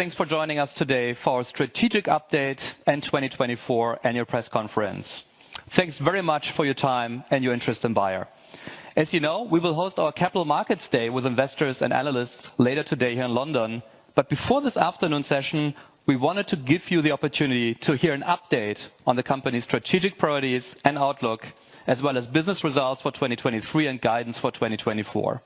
Thanks for joining us today for our Strategic Update and 2024 Annual Press Conference. Thanks very much for your time and your interest in Bayer. As you know, we will host our Capital Markets Day with investors and analysts later today here in London, but before this afternoon session, we wanted to give you the opportunity to hear an update on the company's strategic priorities and outlook, as well as business results for 2023 and guidance for 2024.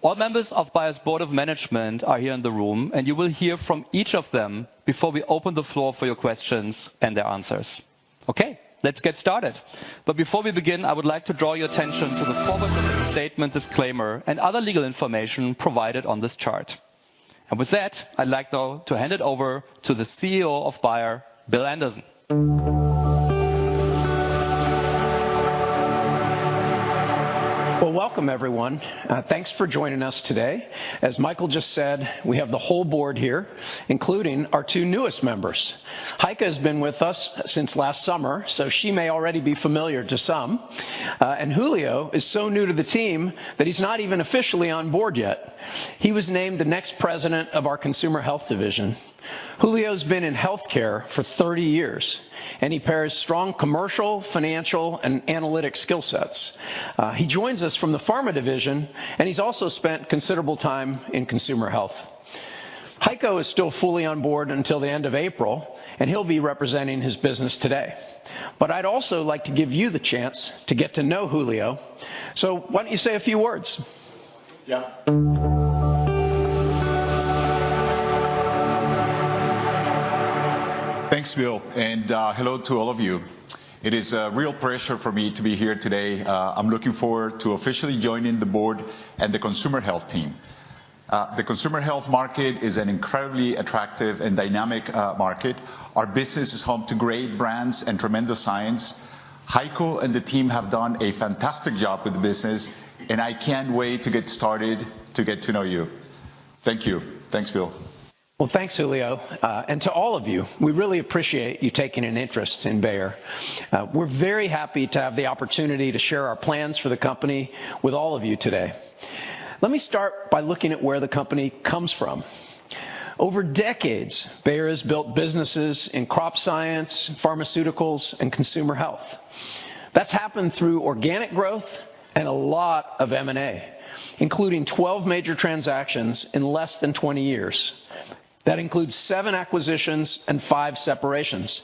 All members of Bayer's Board of Management are here in the room, and you will hear from each of them before we open the floor for your questions and their answers. Okay, let's get started. But before we begin, I would like to draw your attention to the forward-looking statement, disclaimer, and other legal information provided on this chart. With that, I'd like now to hand it over to the CEO of Bayer, Bill Anderson. Well, welcome, everyone. Thanks for joining us today. As Michael just said, we have the whole board here, including our two newest members. Heike has been with us since last summer, so she may already be familiar to some. And Julio is so new to the team that he's not even officially on board yet. He was named the next President of our Consumer Health Division. Julio's been in healthcare for 30 years, and he pairs strong commercial, financial, and analytic skill sets. He joins us from the Pharmaceuticals Division, and he's also spent considerable time in Consumer Health. Heiko is still fully on board until the end of April, and he'll be representing his business today. But I'd also like to give you the chance to get to know Julio. So why don't you say a few words? Yeah. Thanks, Bill, and hello to all of you. It is a real pleasure for me to be here today. I'm looking forward to officially joining the board and the Consumer Health team. The Consumer Health market is an incredibly attractive and dynamic market. Our business is home to great brands and tremendous science. Heiko and the team have done a fantastic job with the business, and I can't wait to get started to get to know you. Thank you. Thanks, Bill. Well, thanks, Julio. To all of you, we really appreciate you taking an interest in Bayer. We're very happy to have the opportunity to share our plans for the company with all of you today. Let me start by looking at where the company comes from. Over decades, Bayer has built businesses in Crop Science, Pharmaceuticals, and Consumer Health. That's happened through organic growth and a lot of M&A, including 12 major transactions in less than 20 years. That includes seven acquisitions and five separations.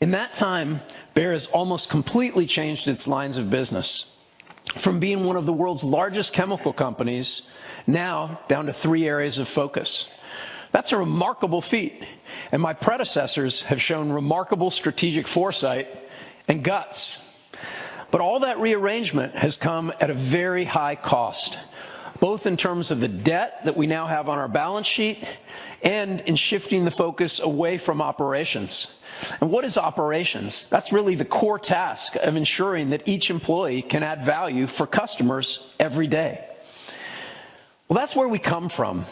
In that time, Bayer has almost completely changed its lines of business. From being one of the world's largest chemical companies, now down to three areas of focus. That's a remarkable feat, and my predecessors have shown remarkable strategic foresight and guts. But all that rearrangement has come at a very high cost, both in terms of the debt that we now have on our balance sheet and in shifting the focus away from operations. And what is operations? That's really the core task of ensuring that each employee can add value for customers every day. Well, that's where we come from.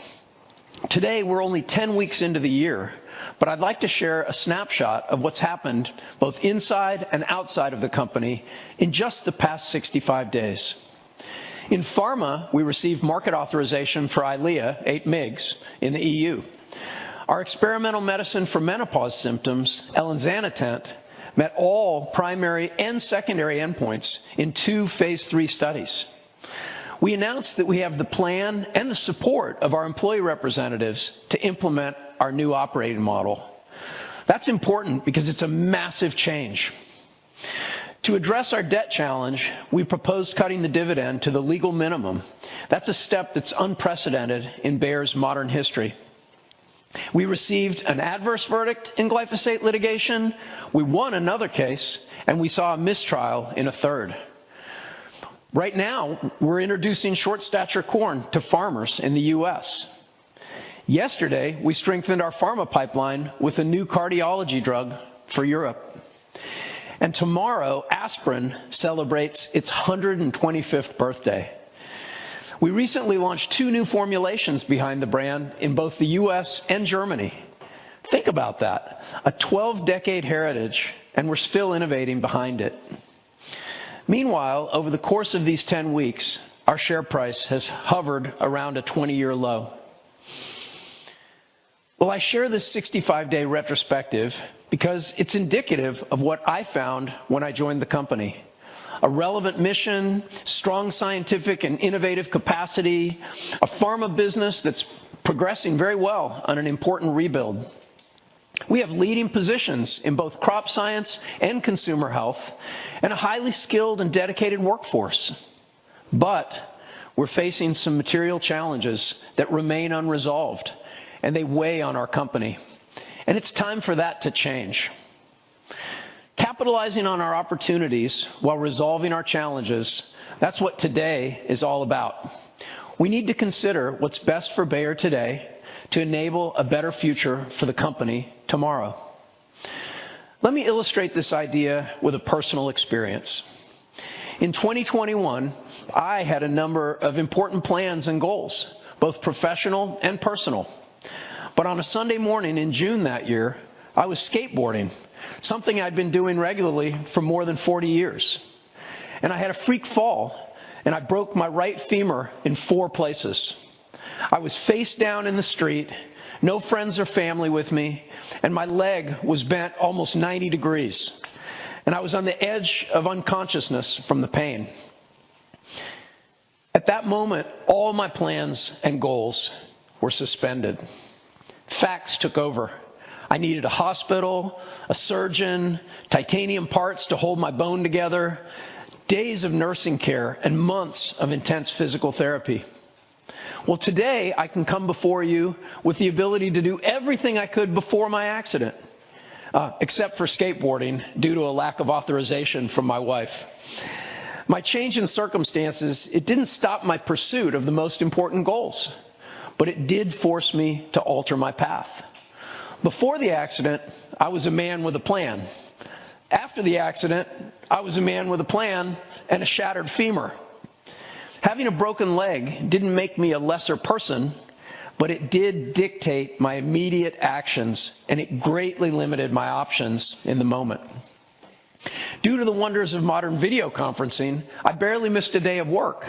Today, we're only 10 weeks into the year, but I'd like to share a snapshot of what's happened both inside and outside of the company in just the past 65 days. In pharma, we received market authorization for Eylea 8 mg in the EU. Our experimental medicine for menopause symptoms, Elinzanetant, met all primary and secondary endpoints in two phase III studies. We announced that we have the plan and the support of our employee representatives to implement our new operating model. That's important because it's a massive change. To address our debt challenge, we proposed cutting the dividend to the legal minimum. That's a step that's unprecedented in Bayer's modern history. We received an adverse verdict in glyphosate litigation. We won another case, and we saw a mistrial in a third. Right now, we're introducing Short Stature Corn to farmers in the U.S. Yesterday, we strengthened our pharma pipeline with a new cardiology drug for Europe. Tomorrow, Aspirin celebrates its 125th birthday. We recently launched two new formulations behind the brand in both the U.S. and Germany. Think about that, a 12-decade heritage, and we're still innovating behind it. Meanwhile, over the course of these 10 weeks, our share price has hovered around a 20-year low. Well, I share this 65-day retrospective because it's indicative of what I found when I joined the company: a relevant mission, strong scientific and innovative capacity, a pharma business that's progressing very well on an important rebuild. We have leading positions in both Crop Science and Consumer Health, and a highly skilled and dedicated workforce. But we're facing some material challenges that remain unresolved, and they weigh on our company. And it's time for that to change. Capitalizing on our opportunities while resolving our challenges, that's what today is all about. We need to consider what's best for Bayer today to enable a better future for the company tomorrow. Let me illustrate this idea with a personal experience. In 2021, I had a number of important plans and goals, both professional and personal. On a Sunday morning in June that year, I was skateboarding, something I'd been doing regularly for more than 40 years. I had a freak fall, and I broke my right femur in four places. I was face down in the street, no friends or family with me, and my leg was bent almost 90 degrees. I was on the edge of unconsciousness from the pain. At that moment, all my plans and goals were suspended. Facts took over. I needed a hospital, a surgeon, titanium parts to hold my bone together, days of nursing care, and months of intense physical therapy. Well, today, I can come before you with the ability to do everything I could before my accident, except for skateboarding due to a lack of authorization from my wife. My change in circumstances, it didn't stop my pursuit of the most important goals, but it did force me to alter my path. Before the accident, I was a man with a plan. After the accident, I was a man with a plan and a shattered femur. Having a broken leg didn't make me a lesser person, but it did dictate my immediate actions, and it greatly limited my options in the moment. Due to the wonders of modern video conferencing, I barely missed a day of work,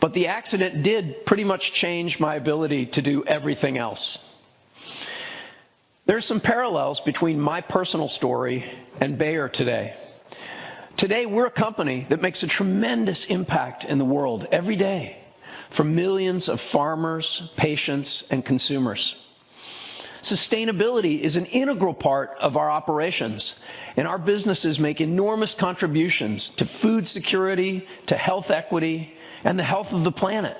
but the accident did pretty much change my ability to do everything else. There are some parallels between my personal story and Bayer today. Today, we're a company that makes a tremendous impact in the world every day for millions of farmers, patients, and consumers. Sustainability is an integral part of our operations, and our businesses make enormous contributions to food security, to health equity, and the health of the planet.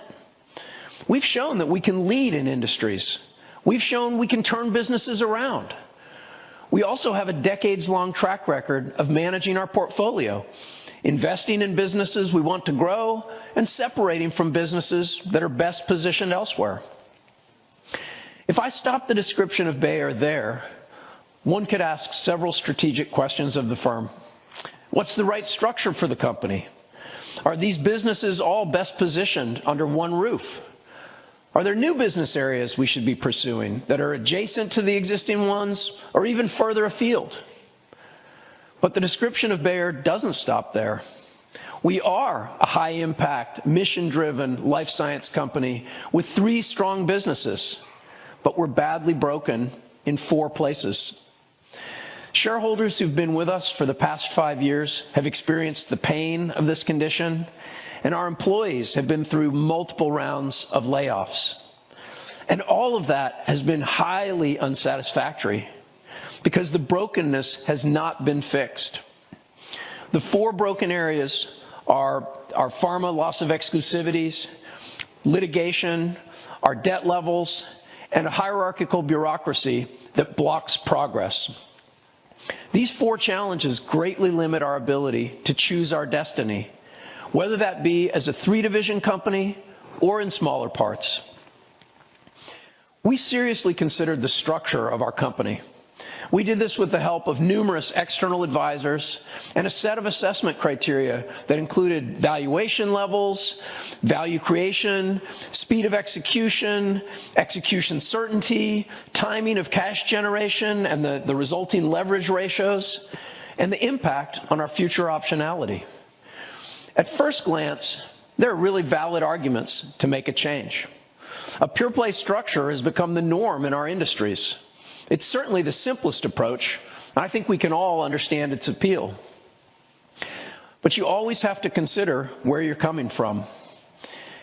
We've shown that we can lead in industries. We've shown we can turn businesses around. We also have a decades-long track record of managing our portfolio, investing in businesses we want to grow, and separating from businesses that are best positioned elsewhere. If I stop the description of Bayer there, one could ask several strategic questions of the firm. What's the right structure for the company? Are these businesses all best positioned under one roof? Are there new business areas we should be pursuing that are adjacent to the existing ones or even further afield? But the description of Bayer doesn't stop there. We are a high-impact, mission-driven, life science company with three strong businesses, but we're badly broken in four places. Shareholders who've been with us for the past five years have experienced the pain of this condition, and our employees have been through multiple rounds of layoffs. All of that has been highly unsatisfactory because the brokenness has not been fixed. The four broken areas are our pharma loss of exclusivities, litigation, our debt levels, and a hierarchical bureaucracy that blocks progress. These four challenges greatly limit our ability to choose our destiny, whether that be as a three-division company or in smaller parts. We seriously considered the structure of our company. We did this with the help of numerous external advisors and a set of assessment criteria that included valuation levels, value creation, speed of execution, execution certainty, timing of cash generation and the resulting leverage ratios, and the impact on our future optionality. At first glance, there are really valid arguments to make a change. A pure-play structure has become the norm in our industries. It's certainly the simplest approach, and I think we can all understand its appeal. But you always have to consider where you're coming from.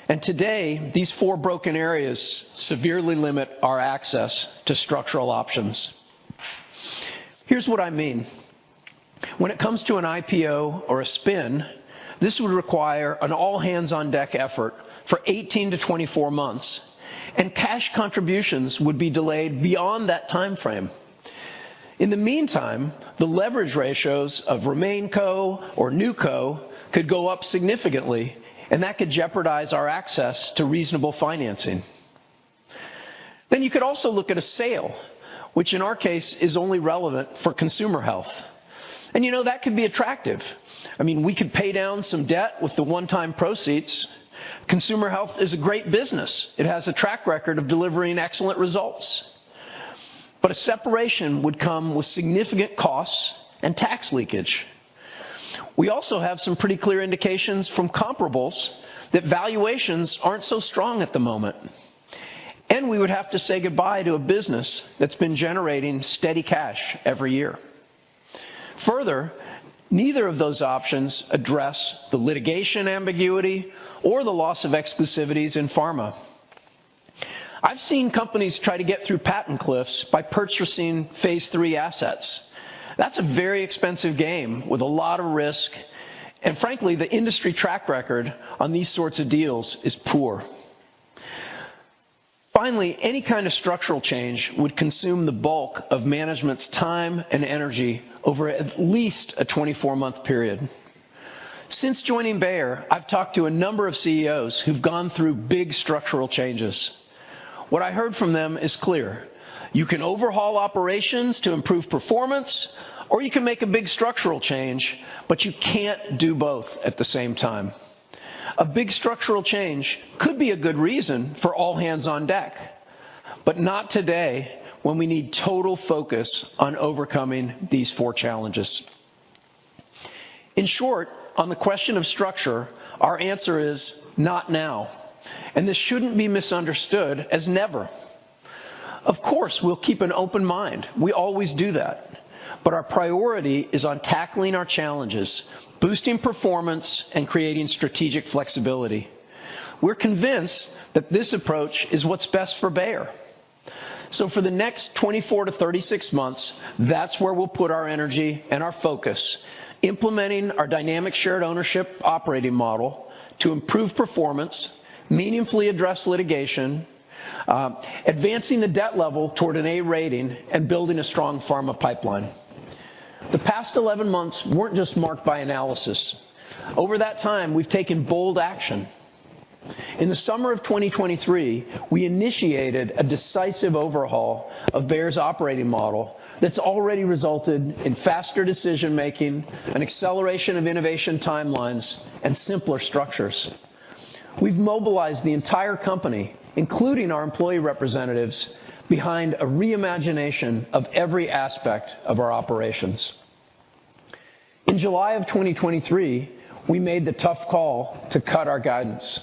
And today, these four broken areas severely limit our access to structural options. Here's what I mean. When it comes to an IPO or a spin, this would require an all-hands-on-deck effort for 18-24 months, and cash contributions would be delayed beyond that timeframe. In the meantime, the leverage ratios of RemainCo or NewCo could go up significantly, and that could jeopardize our access to reasonable financing. Then you could also look at a sale, which in our case is only relevant for Consumer Health. And you know that could be attractive. I mean, we could pay down some debt with the one-time proceeds. Consumer Health is a great business. It has a track record of delivering excellent results. But a separation would come with significant costs and tax leakage. We also have some pretty clear indications from comparables that valuations aren't so strong at the moment. And we would have to say goodbye to a business that's been generating steady cash every year. Further, neither of those options address the litigation ambiguity or the loss of exclusivities in pharma. I've seen companies try to get through patent cliffs by purchasing phase III assets. That's a very expensive game with a lot of risk, and frankly, the industry track record on these sorts of deals is poor. Finally, any kind of structural change would consume the bulk of management's time and energy over at least a 24-month period. Since joining Bayer, I've talked to a number of CEOs who've gone through big structural changes. What I heard from them is clear. You can overhaul operations to improve performance, or you can make a big structural change, but you can't do both at the same time. A big structural change could be a good reason for all-hands-on-deck, but not today when we need total focus on overcoming these four challenges. In short, on the question of structure, our answer is not now, and this shouldn't be misunderstood as never. Of course, we'll keep an open mind. We always do that. But our priority is on tackling our challenges, boosting performance, and creating strategic flexibility. We're convinced that this approach is what's best for Bayer. So for the next 24-36 months, that's where we'll put our energy and our focus, implementing our Dynamic Shared Ownership operating model to improve performance, meaningfully address litigation, advancing the debt level toward an A rating, and building a strong pharma pipeline. The past 11 months weren't just marked by analysis. Over that time, we've taken bold action. In the summer of 2023, we initiated a decisive overhaul of Bayer's operating model that's already resulted in faster decision-making, an acceleration of innovation timelines, and simpler structures. We've mobilized the entire company, including our employee representatives, behind a reimagination of every aspect of our operations. In July of 2023, we made the tough call to cut our guidance.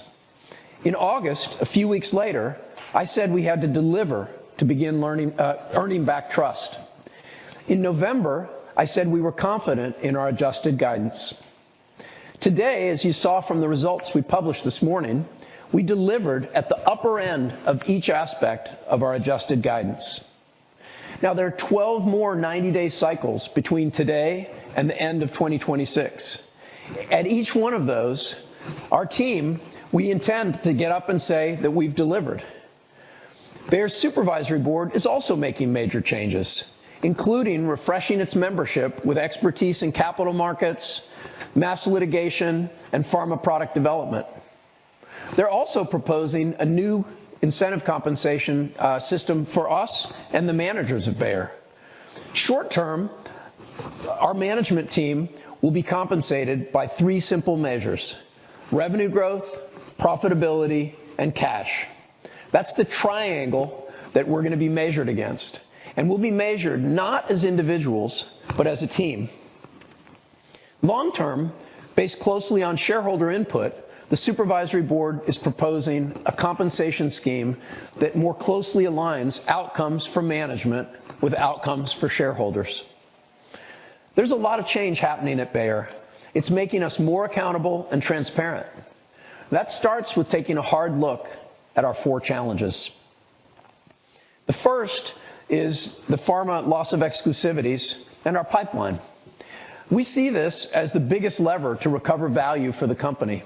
In August, a few weeks later, I said we had to deliver to begin earning back trust. In November, I said we were confident in our adjusted guidance. Today, as you saw from the results we published this morning, we delivered at the upper end of each aspect of our adjusted guidance. Now, there are 12 more 90-day cycles between today and the end of 2026. At each one of those, our team, we intend to get up and say that we've delivered. Bayer's Supervisory Board is also making major changes, including refreshing its membership with expertise in capital markets, mass litigation, and pharma product development. They're also proposing a new incentive compensation system for us and the managers of Bayer. Short term, our management team will be compensated by three simple measures: revenue growth, profitability, and cash. That's the triangle that we're going to be measured against. We'll be measured not as individuals, but as a team. Long-term, based closely on shareholder input, the Supervisory Board is proposing a compensation scheme that more closely aligns outcomes for management with outcomes for shareholders. There's a lot of change happening at Bayer. It's making us more accountable and transparent. That starts with taking a hard look at our four challenges. The first is the pharma loss of exclusivities and our pipeline. We see this as the biggest lever to recover value for the company.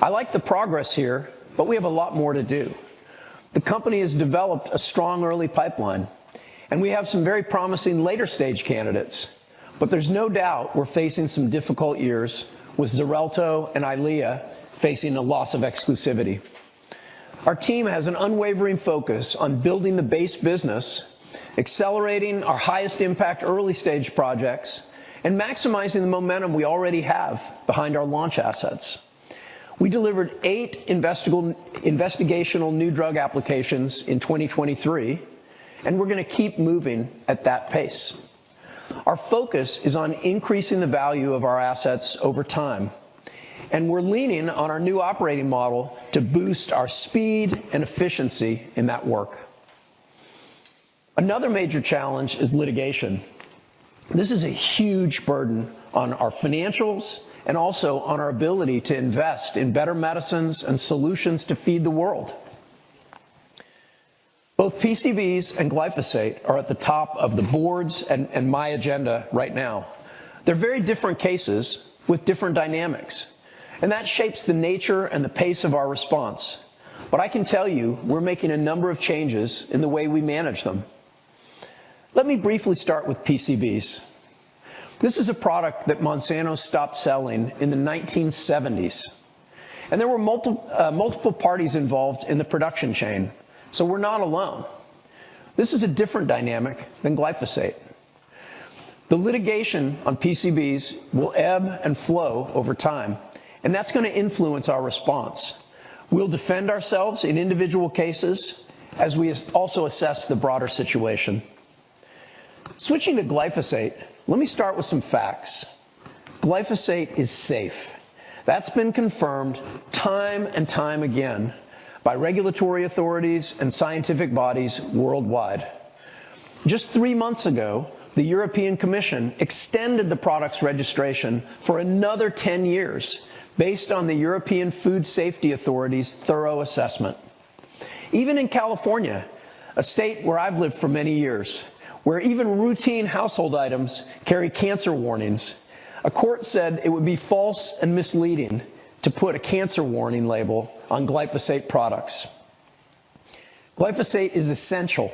I like the progress here, but we have a lot more to do. The company has developed a strong early pipeline, and we have some very promising later-stage candidates. But there's no doubt we're facing some difficult years with Xarelto and Eylea facing a loss of exclusivity. Our team has an unwavering focus on building the base business, accelerating our highest-impact early-stage projects, and maximizing the momentum we already have behind our launch assets. We delivered 8 Investigational New Drug applications in 2023, and we're going to keep moving at that pace. Our focus is on increasing the value of our assets over time, and we're leaning on our new operating model to boost our speed and efficiency in that work. Another major challenge is litigation. This is a huge burden on our financials and also on our ability to invest in better medicines and solutions to feed the world. Both PCBs and glyphosate are at the top of the boards and my agenda right now. They're very different cases with different dynamics, and that shapes the nature and the pace of our response. But I can tell you we're making a number of changes in the way we manage them. Let me briefly start with PCBs. This is a product that Monsanto stopped selling in the 1970s, and there were multiple parties involved in the production chain, so we're not alone. This is a different dynamic than glyphosate. The litigation on PCBs will ebb and flow over time, and that's going to influence our response. We'll defend ourselves in individual cases as we also assess the broader situation. Switching to glyphosate, let me start with some facts. Glyphosate is safe. That's been confirmed time and time again by regulatory authorities and scientific bodies worldwide. Just three months ago, the European Commission extended the product's registration for another 10 years based on the European Food Safety Authority's thorough assessment. Even in California, a state where I've lived for many years, where even routine household items carry cancer warnings, a court said it would be false and misleading to put a cancer warning label on glyphosate products. Glyphosate is essential.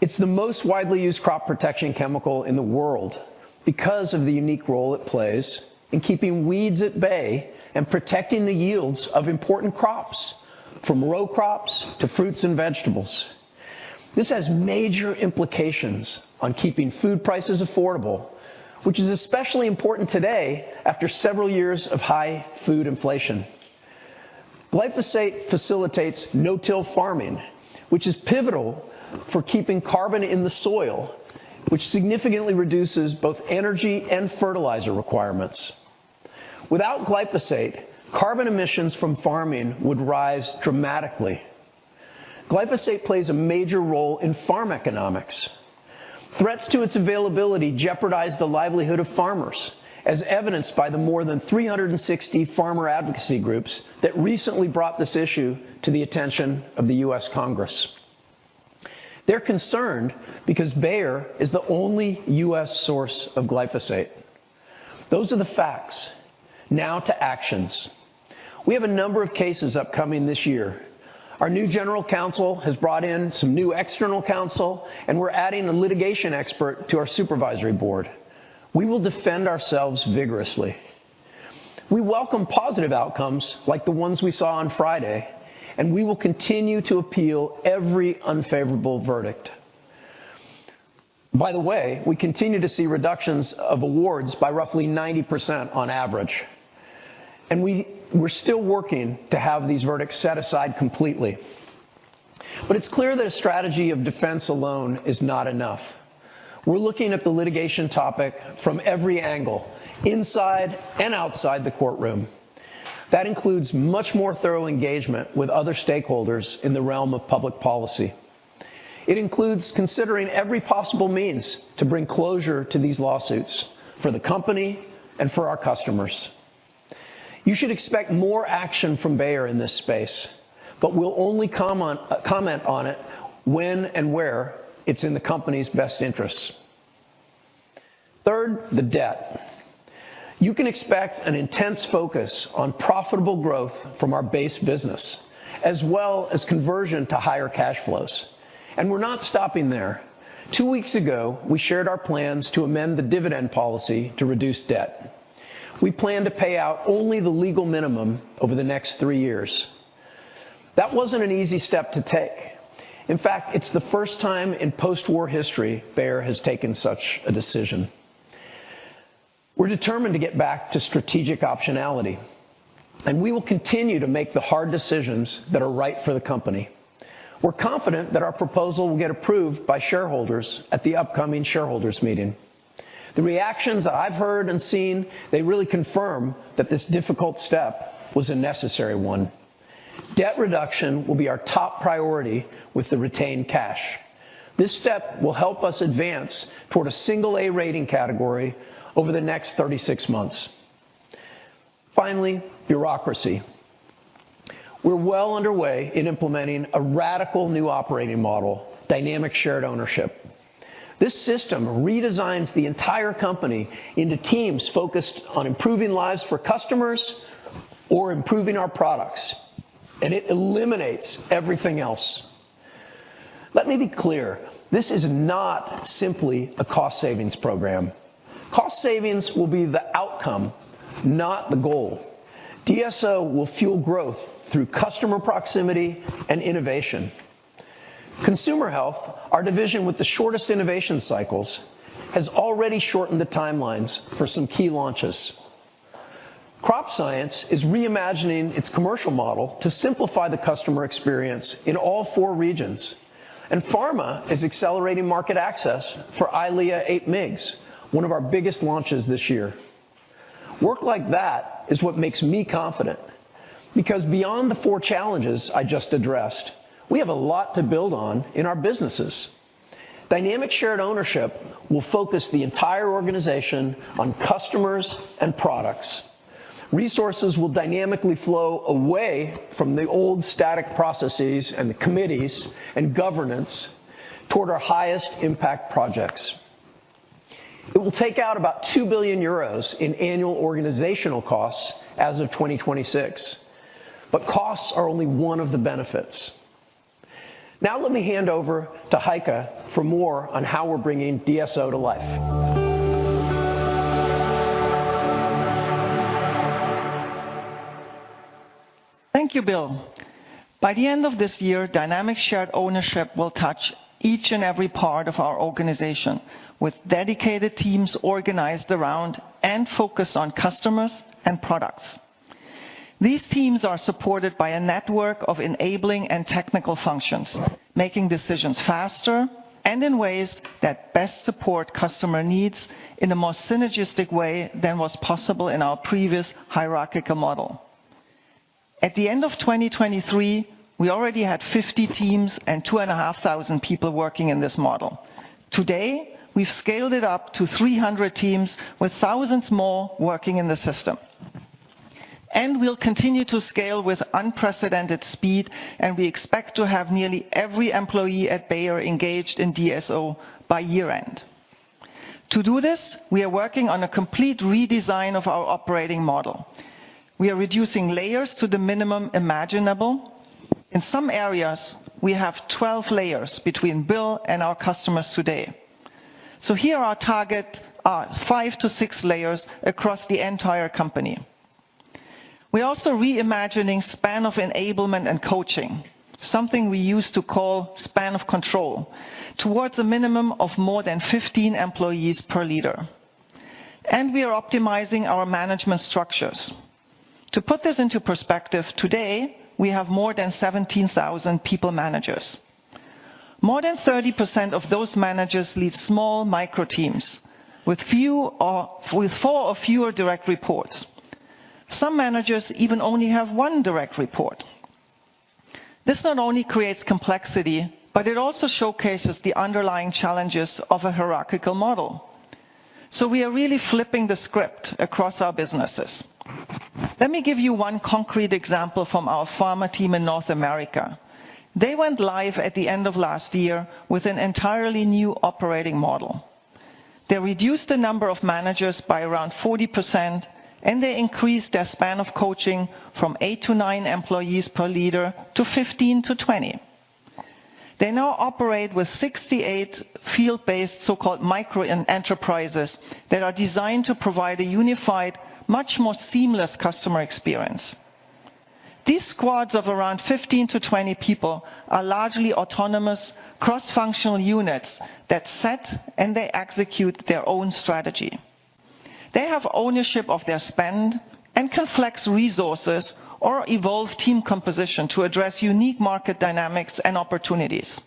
It's the most widely used crop protection chemical in the world because of the unique role it plays in keeping weeds at bay and protecting the yields of important crops, from row crops to fruits and vegetables. This has major implications on keeping food prices affordable, which is especially important today after several years of high food inflation. Glyphosate facilitates no-till farming, which is pivotal for keeping carbon in the soil, which significantly reduces both energy and fertilizer requirements. Without glyphosate, carbon emissions from farming would rise dramatically. Glyphosate plays a major role in farm economics. Threats to its availability jeopardize the livelihood of farmers, as evidenced by the more than 360 farmer advocacy groups that recently brought this issue to the attention of the U.S. Congress. They're concerned because Bayer is the only U.S. source of glyphosate. Those are the facts. Now to actions. We have a number of cases upcoming this year. Our new general counsel has brought in some new external counsel, and we're adding a litigation expert to our Supervisory Board. We will defend ourselves vigorously. We welcome positive outcomes like the ones we saw on Friday, and we will continue to appeal every unfavorable verdict. By the way, we continue to see reductions of awards by roughly 90% on average, and we're still working to have these verdicts set aside completely. But it's clear that a strategy of defense alone is not enough. We're looking at the litigation topic from every angle, inside and outside the courtroom. That includes much more thorough engagement with other stakeholders in the realm of public policy. It includes considering every possible means to bring closure to these lawsuits for the company and for our customers. You should expect more action from Bayer in this space, but we'll only comment on it when and where it's in the company's best interests. Third, the debt. You can expect an intense focus on profitable growth from our base business as well as conversion to higher cash flows. We're not stopping there. Two weeks ago, we shared our plans to amend the dividend policy to reduce debt. We plan to pay out only the legal minimum over the next three years. That wasn't an easy step to take. In fact, it's the first time in post-war history Bayer has taken such a decision. We're determined to get back to strategic optionality, and we will continue to make the hard decisions that are right for the company. We're confident that our proposal will get approved by shareholders at the upcoming shareholders' meeting. The reactions I've heard and seen, they really confirm that this difficult step was a necessary one. Debt reduction will be our top priority with the retained cash. This step will help us advance toward a single A rating category over the next 36 months. Finally, bureaucracy. We're well underway in implementing a radical new operating model, Dynamic Shared Ownership. This system redesigns the entire company into teams focused on improving lives for customers or improving our products, and it eliminates everything else. Let me be clear. This is not simply a cost-savings program. Cost savings will be the outcome, not the goal. DSO will fuel growth through customer proximity and innovation. Consumer Health, our division with the shortest innovation cycles, has already shortened the timelines for some key launches. Crop Science is reimagining its commercial model to simplify the customer experience in all four regions, and Pharma is accelerating market access for Eylea 8 mg, one of our biggest launches this year. Work like that is what makes me confident because, beyond the four challenges I just addressed, we have a lot to build on in our businesses. Dynamic Shared Ownership will focus the entire organization on customers and products. Resources will dynamically flow away from the old static processes and the committees and governance toward our highest-impact projects. It will take out about $2 billion in annual organizational costs as of 2026, but costs are only one of the benefits. Now let me hand over to Heike for more on how we're bringing DSO to life. Thank you, Bill. By the end of this year, Dynamic Shared Ownership will touch each and every part of our organization with dedicated teams organized around and focused on customers and products. These teams are supported by a network of enabling and technical functions, making decisions faster and in ways that best support customer needs in a more synergistic way than was possible in our previous hierarchical model. At the end of 2023, we already had 50 teams and 2,500 people working in this model. Today, we've scaled it up to 300 teams with thousands more working in the system. And we'll continue to scale with unprecedented speed, and we expect to have nearly every employee at Bayer engaged in DSO by year-end. To do this, we are working on a complete redesign of our operating model. We are reducing layers to the minimum imaginable. In some areas, we have 12 layers between Bill and our customers today. Here are our target: 5-6 layers across the entire company. We're also reimagining the span of enablement and coaching, something we used to call the span of control, towards a minimum of more than 15 employees per leader. We are optimizing our management structures. To put this into perspective, today we have more than 17,000 people managers. More than 30% of those managers lead small micro-teams with 4 or fewer direct reports. Some managers even only have 1 direct report. This not only creates complexity, but it also showcases the underlying challenges of a hierarchical model. So we are really flipping the script across our businesses. Let me give you one concrete example from our pharma team in North America. They went live at the end of last year with an entirely new operating model. They reduced the number of managers by around 40%, and they increased their span of coaching from 8 to 9 employees per leader to 15 to 20. They now operate with 68 field-based so-called micro-enterprises that are designed to provide a unified, much more seamless customer experience. These squads of around 15 to 20 people are largely autonomous, cross-functional units that set, and they execute their own strategy. They have ownership of their spend and can flex resources or evolve team composition to address unique market dynamics and opportunities.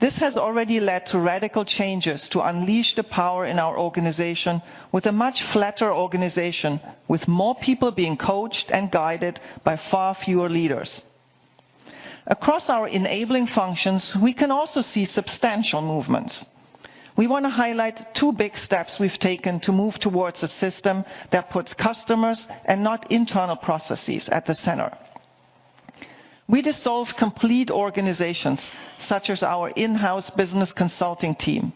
This has already led to radical changes to unleash the power in our organization with a much flatter organization, with more people being coached and guided by far fewer leaders. Across our enabling functions, we can also see substantial movements. We want to highlight two big steps we've taken to move towards a system that puts customers and not internal processes at the center. We dissolved complete organizations such as our in-house business consulting team,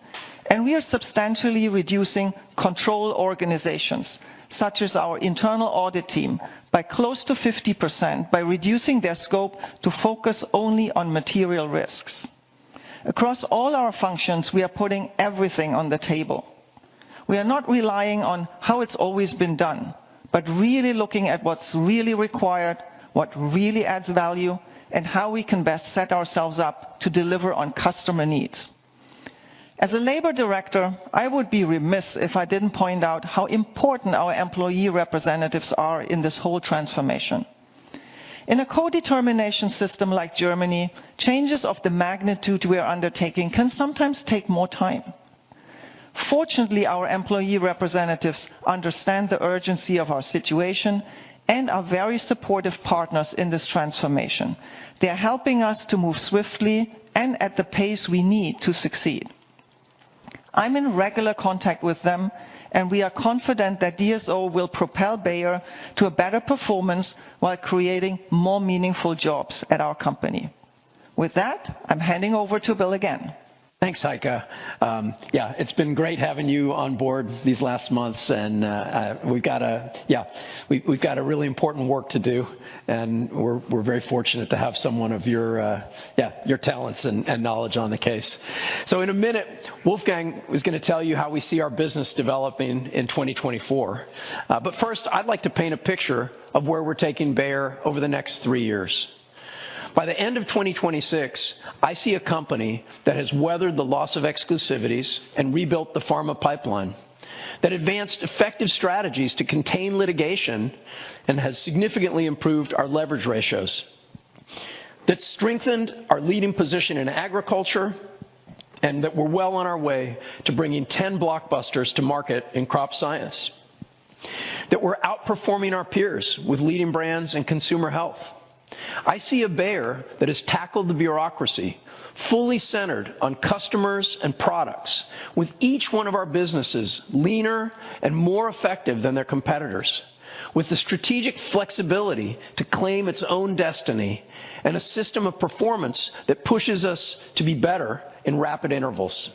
and we are substantially reducing control organizations such as our internal audit team by close to 50% by reducing their scope to focus only on material risks. Across all our functions, we are putting everything on the table. We are not relying on how it's always been done, but really looking at what's really required, what really adds value, and how we can best set ourselves up to deliver on customer needs. As a labor director, I would be remiss if I didn't point out how important our employee representatives are in this whole transformation. In a co-determination system like Germany, changes of the magnitude we are undertaking can sometimes take more time. Fortunately, our employee representatives understand the urgency of our situation and are very supportive partners in this transformation. They are helping us to move swiftly and at the pace we need to succeed. I'm in regular contact with them, and we are confident that DSO will propel Bayer to a better performance while creating more meaningful jobs at our company. With that, I'm handing over to Bill again. Thanks, Heike. Yeah, it's been great having you on board these last months, and we've got a yeah, we've got a really important work to do, and we're very fortunate to have someone of your talents and knowledge on the case. So in a minute, Wolfgang is going to tell you how we see our business developing in 2024. But first, I'd like to paint a picture of where we're taking Bayer over the next three years. By the end of 2026, I see a company that has weathered the loss of exclusivities and rebuilt the pharma pipeline, that advanced effective strategies to contain litigation and has significantly improved our leverage ratios, that strengthened our leading position in agriculture, and that we're well on our way to bringing 10 blockbusters to market in Crop Science, that we're outperforming our peers with leading brands and Consumer Health. I see a Bayer that has tackled the bureaucracy fully centered on customers and products, with each one of our businesses leaner and more effective than their competitors, with the strategic flexibility to claim its own destiny and a system of performance that pushes us to be better in rapid intervals.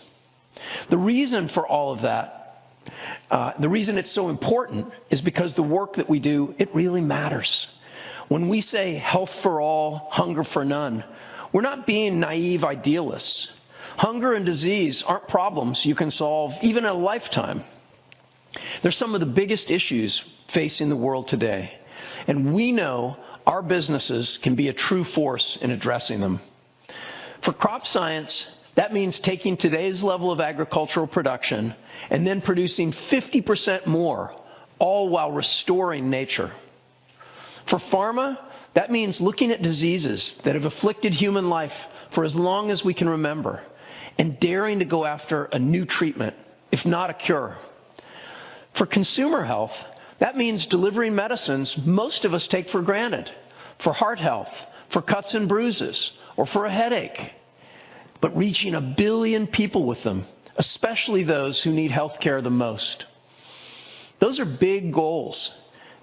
The reason for all of that, the reason it's so important, is because the work that we do, it really matters. When we say, "Health for all, hunger for none," we're not being naive idealists. Hunger and disease aren't problems you can solve even in a lifetime. They're some of the biggest issues facing the world today, and we know our businesses can be a true force in addressing them. For Crop Science, that means taking today's level of agricultural production and then producing 50% more, all while restoring nature. For pharma, that means looking at diseases that have afflicted human life for as long as we can remember and daring to go after a new treatment, if not a cure. For Consumer Health, that means delivering medicines most of us take for granted, for heart health, for cuts and bruises, or for a headache, but reaching a billion people with them, especially those who need healthcare the most. Those are big goals.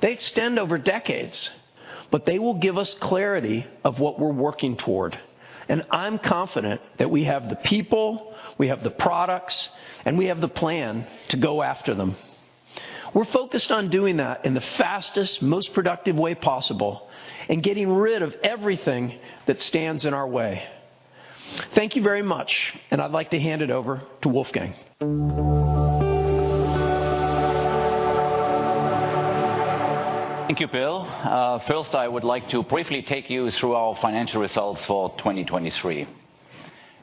They extend over decades, but they will give us clarity of what we're working toward, and I'm confident that we have the people, we have the products, and we have the plan to go after them. We're focused on doing that in the fastest, most productive way possible and getting rid of everything that stands in our way. Thank you very much, and I'd like to hand it over to Wolfgang. Thank you, Bill. First, I would like to briefly take you through our financial results for 2023.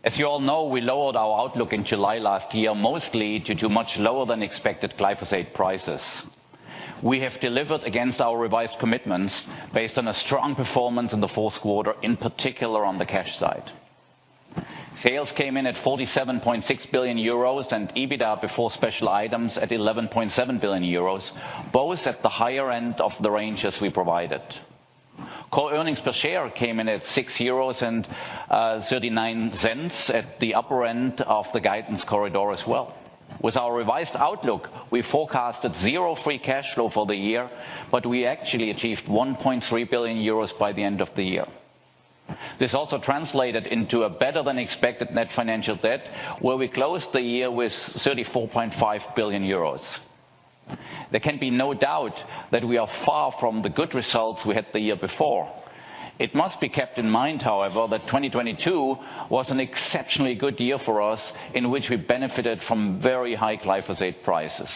As you all know, we lowered our outlook in July last year mostly due to much lower-than-expected glyphosate prices. We have delivered against our revised commitments based on a strong performance in the fourth quarter, in particular on the cash side. Sales came in at 47.6 billion euros and EBITDA before special items at 11.7 billion euros, both at the higher end of the ranges we provided. Core earnings per share came in at 6.39 euros, at the upper end of the guidance corridor as well. With our revised outlook, we forecasted zero free cash flow for the year, but we actually achieved 1.3 billion euros by the end of the year. This also translated into a better-than-expected net financial debt, where we closed the year with 34.5 billion euros. There can be no doubt that we are far from the good results we had the year before. It must be kept in mind, however, that 2022 was an exceptionally good year for us in which we benefited from very high glyphosate prices.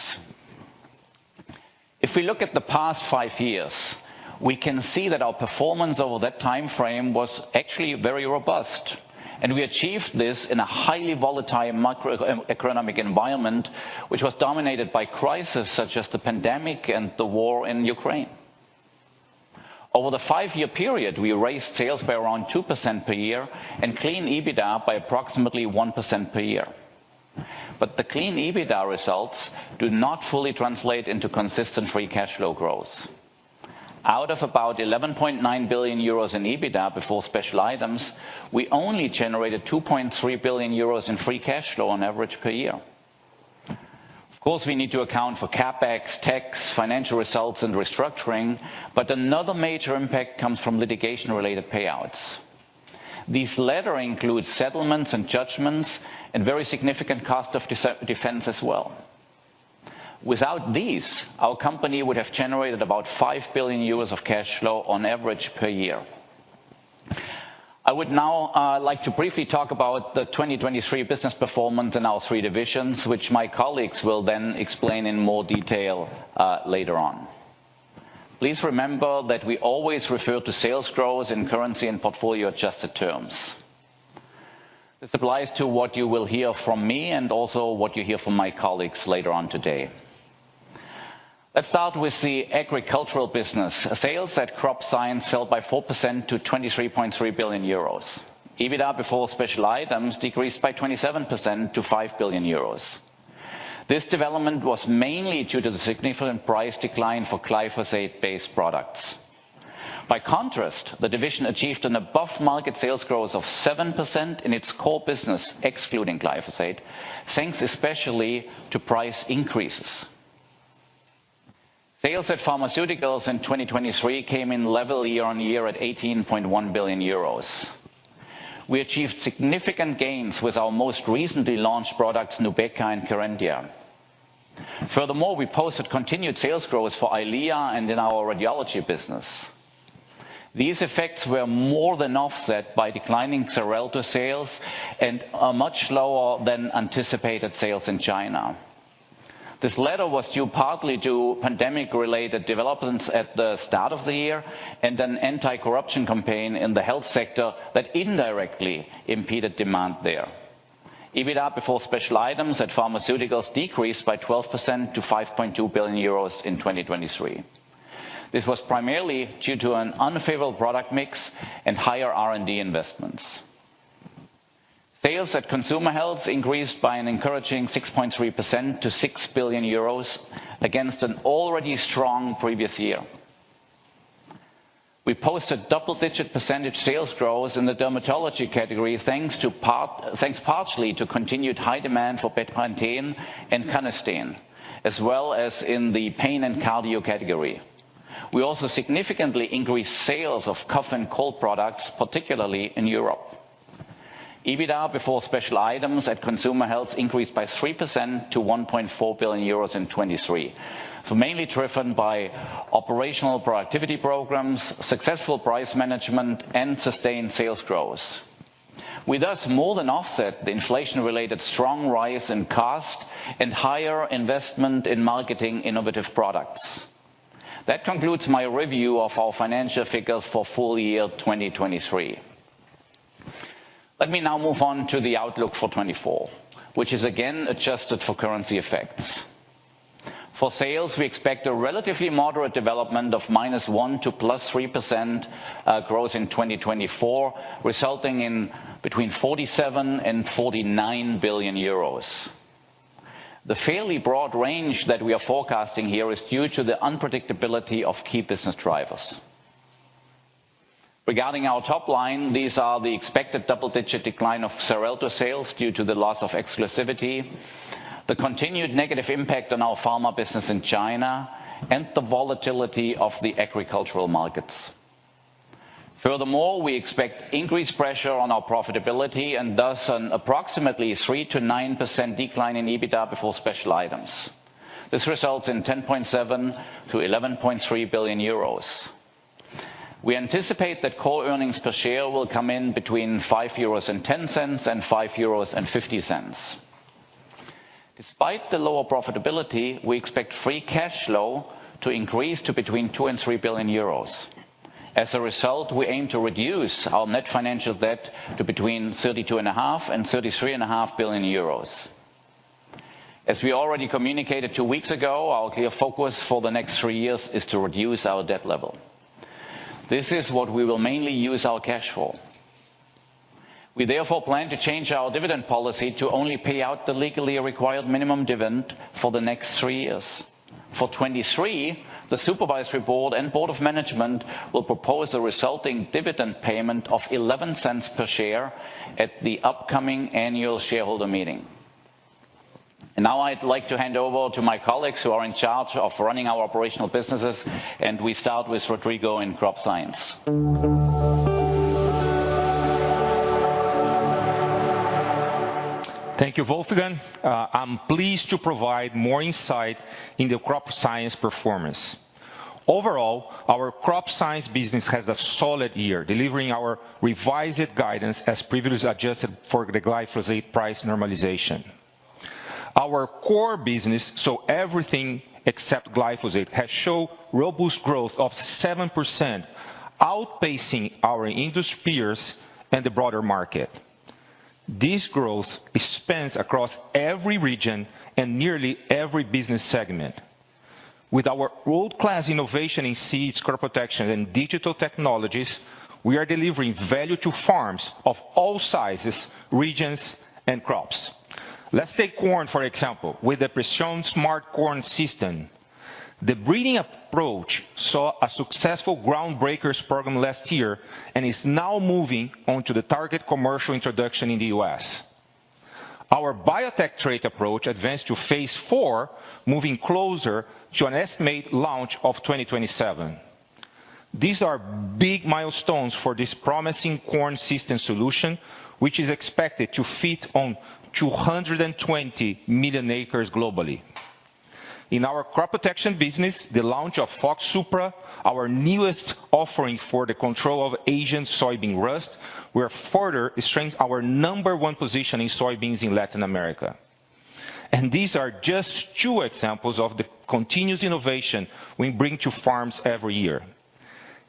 If we look at the past five years, we can see that our performance over that time frame was actually very robust, and we achieved this in a highly volatile macroeconomic environment, which was dominated by crises such as the pandemic and the war in Ukraine. Over the five-year period, we raised sales by around 2% per year and clean EBITDA by approximately 1% per year. But the clean EBITDA results do not fully translate into consistent free cash flow growth. Out of about 11.9 billion euros in EBITDA before special items, we only generated 2.3 billion euros in free cash flow on average per year. Of course, we need to account for CapEx, tax, financial results, and restructuring, but another major impact comes from litigation-related payouts. These latter include settlements and judgments and very significant cost of defense as well. Without these, our company would have generated about 5 billion euros of cash flow on average per year. I would now like to briefly talk about the 2023 business performance in our three divisions, which my colleagues will then explain in more detail later on. Please remember that we always refer to sales growth in currency and portfolio-adjusted terms. This applies to what you will hear from me and also what you hear from my colleagues later on today. Let's start with the agricultural business. Sales at Crop Science fell by 4% to 23.3 billion euros. EBITDA before special items decreased by 27% to 5 billion euros. This development was mainly due to the significant price decline for glyphosate-based products. By contrast, the division achieved an above-market sales growth of 7% in its core business, excluding glyphosate, thanks especially to price increases. Sales at Pharmaceuticals in 2023 came in level year-on-year at 18.1 billion euros. We achieved significant gains with our most recently launched products, Nubeqa and Kerendia. Furthermore, we posted continued sales growth for Eylea and in our radiology business. These effects were more than offset by declining Xarelto sales and are much lower than anticipated sales in China. This latter was due partly to pandemic-related developments at the start of the year and an anti-corruption campaign in the health sector that indirectly impeded demand there. EBITDA before special items at Pharmaceuticals decreased by 12% to 5.2 billion euros in 2023. This was primarily due to an unfavorable product mix and higher R&D investments. Sales at Consumer Health increased by an encouraging 6.3% to 6 billion euros against an already strong previous year. We posted double-digit percentage sales growth in the dermatology category thanks partly to continued high demand for Bepanthen and Canesten, as well as in the pain and cardio category. We also significantly increased sales of cough and cold products, particularly in Europe. EBITDA before special items at Consumer Health increased by 3% to 1.4 billion euros in 2023, mainly driven by operational productivity programs, successful price management, and sustained sales growth. With us, more than offset the inflation-related strong rise in cost and higher investment in marketing innovative products. That concludes my review of our financial figures for full year 2023. Let me now move on to the outlook for 2024, which is again adjusted for currency effects. For sales, we expect a relatively moderate development of -1% to +3% growth in 2024, resulting in between 47 billion and 49 billion euros. The fairly broad range that we are forecasting here is due to the unpredictability of key business drivers. Regarding our top line, these are the expected double-digit decline of Xarelto sales due to the loss of exclusivity, the continued negative impact on our pharma business in China, and the volatility of the agricultural markets. Furthermore, we expect increased pressure on our profitability and thus an approximately 3%-9% decline in EBITDA before special items. This results in 10.7 billion-11.3 billion euros. We anticipate that core earnings per share will come in between 5.10 euros and 5.50 euros. Despite the lower profitability, we expect free cash flow to increase to between 2 billion and 3 billion euros. As a result, we aim to reduce our net financial debt to between 32.5 billion euros and 33.5 billion euros. As we already communicated two weeks ago, our clear focus for the next three years is to reduce our debt level. This is what we will mainly use our cash for. We therefore plan to change our dividend policy to only pay out the legally required minimum dividend for the next three years. For 2023, the Supervisory Board and Board of Management will propose a resulting dividend payment of 0.11 per share at the upcoming annual shareholder meeting. Now I'd like to hand over to my colleagues who are in charge of running our operational businesses, and we start with Rodrigo in Crop Science. Thank you, Wolfgang. I'm pleased to provide more insight in the Crop Science performance. Overall, our Crop Science business has a solid year, delivering our revised guidance as previously adjusted for the glyphosate price normalization. Our core business, so everything except glyphosate, has shown robust growth of 7%, outpacing our industry peers and the broader market. This growth extends across every region and nearly every business segment. With our world-class innovation in seeds, crop protection, and digital technologies, we are delivering value to farms of all sizes, regions, and crops. Let's take corn, for example, with the Preceon Smart Corn System. The breeding approach saw a successful Groundbreaker program last year and is now moving onto the target commercial introduction in the U.S. Our biotech trait approach advanced to phase IV, moving closer to an estimated launch of 2027. These are big milestones for this promising corn system solution, which is expected to fit on 220 million acres globally. In our crop protection business, the launch of Fox Supra, our newest offering for the control of Asian soybean rust, will further strengthen our number one position in soybeans in Latin America. These are just two examples of the continuous innovation we bring to farms every year.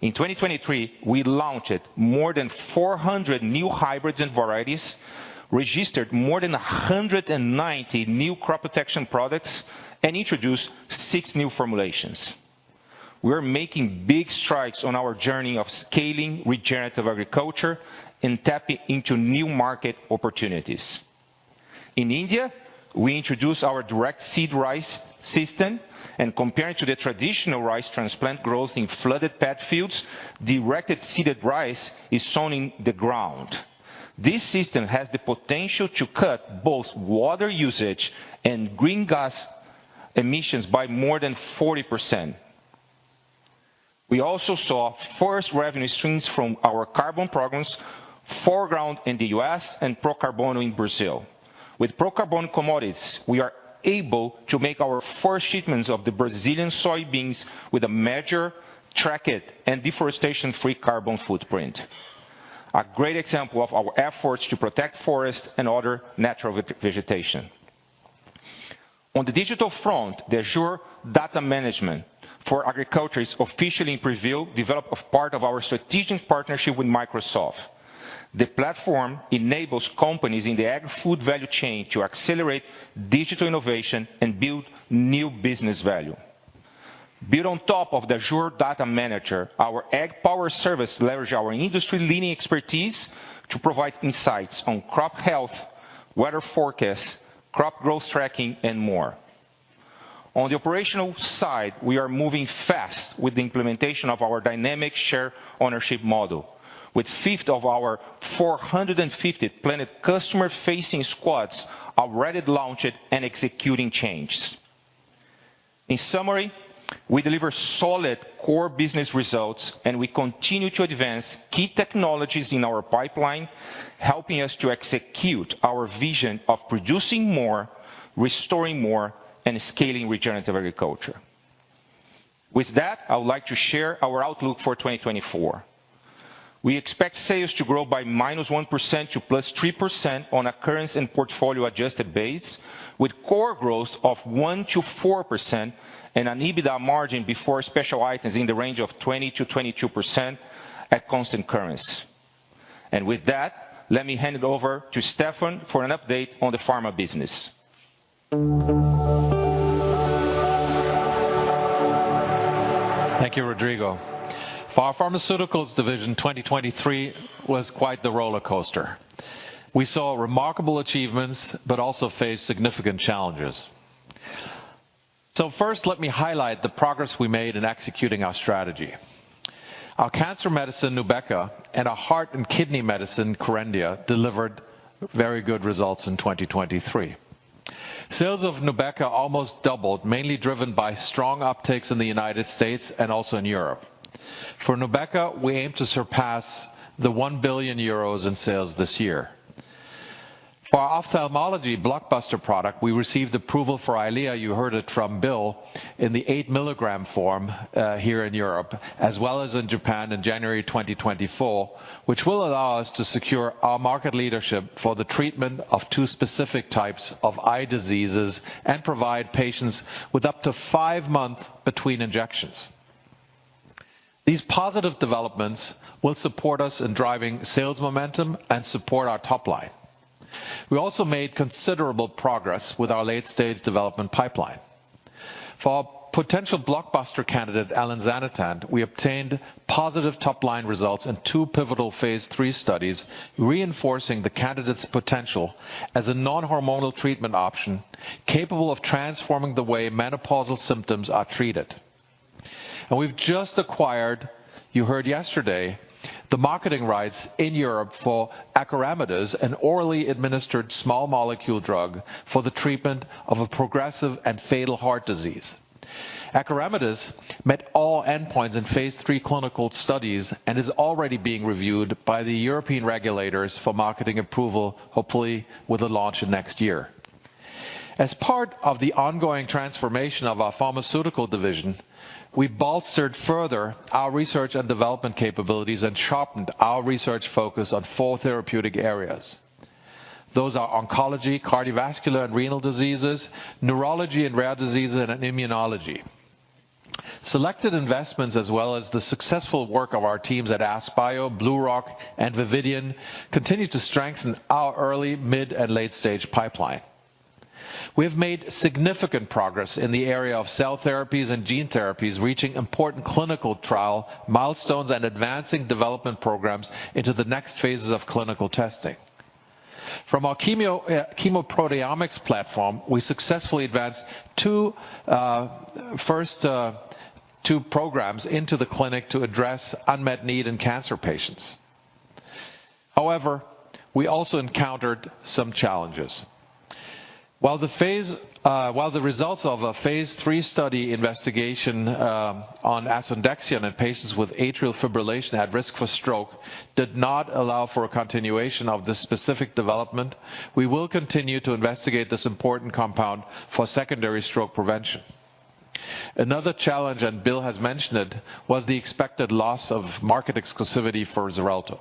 In 2023, we launched more than 400 new hybrids and varieties, registered more than 190 new crop protection products, and introduced six new formulations. We are making big strides on our journey of scaling regenerative agriculture and tapping into new market opportunities. In India, we introduced our Direct-Seeded Rice system, and comparing it to the traditional rice transplant growth in flooded paddy fields, direct-seeded rice is sown in the ground. This system has the potential to cut both water usage and greenhouse gas emissions by more than 40%. We also saw first revenue streams from our carbon programs, ForGround in the U.S. and PRO Carbono in Brazil. With PRO Carbono Commodities, we are able to make our first shipments of the Brazilian soybeans with a majority tracked and deforestation-free carbon footprint, a great example of our efforts to protect forests and other natural vegetation. On the digital front, the Azure Data Manager for Agriculture is officially in preview, developed as part of our strategic partnership with Microsoft. The platform enables companies in the ag food value chain to accelerate digital innovation and build new business value. Built on top of the Azure Data Manager, our AgPowered Services leverages our industry-leading expertise to provide insights on crop health, weather forecasts, crop growth tracking, and more. On the operational side, we are moving fast with the implementation of our Dynamic Shared Ownership model, with a fifth of our 450 planned customer-facing squads already launched and executing changes. In summary, we deliver solid core business results, and we continue to advance key technologies in our pipeline, helping us to execute our vision of producing more, restoring more, and scaling regenerative agriculture. With that, I would like to share our outlook for 2024. We expect sales to grow by -1% to +3% on a currency- and portfolio-adjusted basis, with core growth of 1%-4% and an EBITDA margin before special items in the range of 20%-22% at constant currencies. With that, let me hand it over to Stefan for an update on the pharma business. Thank you, Rodrigo. For our Pharmaceuticals division, 2023 was quite the roller coaster. We saw remarkable achievements but also faced significant challenges. So first, let me highlight the progress we made in executing our strategy. Our cancer medicine, Nubeqa, and our heart and kidney medicine, Kerendia, delivered very good results in 2023. Sales of Nubeqa almost doubled, mainly driven by strong uptakes in the United States and also in Europe. For Nubeqa, we aim to surpass 1 billion euros in sales this year. For our ophthalmology blockbuster product, we received approval for Eylea—you heard it from Bill—in the 8 mg form here in Europe, as well as in Japan in January 2024, which will allow us to secure our market leadership for the treatment of two specific types of eye diseases and provide patients with up to five months between injections. These positive developments will support us in driving sales momentum and support our top line. We also made considerable progress with our late-stage development pipeline. For our potential blockbuster candidate, Elinzanetant, we obtained positive top line results in two pivotal phase III studies, reinforcing the candidate's potential as a non-hormonal treatment option capable of transforming the way menopausal symptoms are treated. We've just acquired (you heard yesterday) the marketing rights in Europe for Acoramidis, an orally administered small molecule drug for the treatment of progressive and fatal heart disease. Acoramidis met all endpoints in phase III clinical studies and is already being reviewed by the European regulators for marketing approval, hopefully with the launch next year. As part of the ongoing transformation of our pharmaceutical division, we bolstered further our research and development capabilities and sharpened our research focus on four therapeutic areas. Those are oncology, cardiovascular and renal diseases, neurology and rare diseases, and immunology. Selected investments, as well as the successful work of our teams at AskBio, BlueRock, and Vividion, continue to strengthen our early, mid, and late-stage pipeline. We have made significant progress in the area of cell therapies and gene therapies, reaching important clinical trial milestones and advancing development programs into the next phases of clinical testing. From our chemoproteomics platform, we successfully advanced two programs into the clinic to address unmet need in cancer patients. However, we also encountered some challenges. While the results of a phase III study investigation on Asundexian in patients with atrial fibrillation at risk for stroke did not allow for a continuation of this specific development, we will continue to investigate this important compound for secondary stroke prevention. Another challenge, and Bill has mentioned it, was the expected loss of market exclusivity for Xarelto.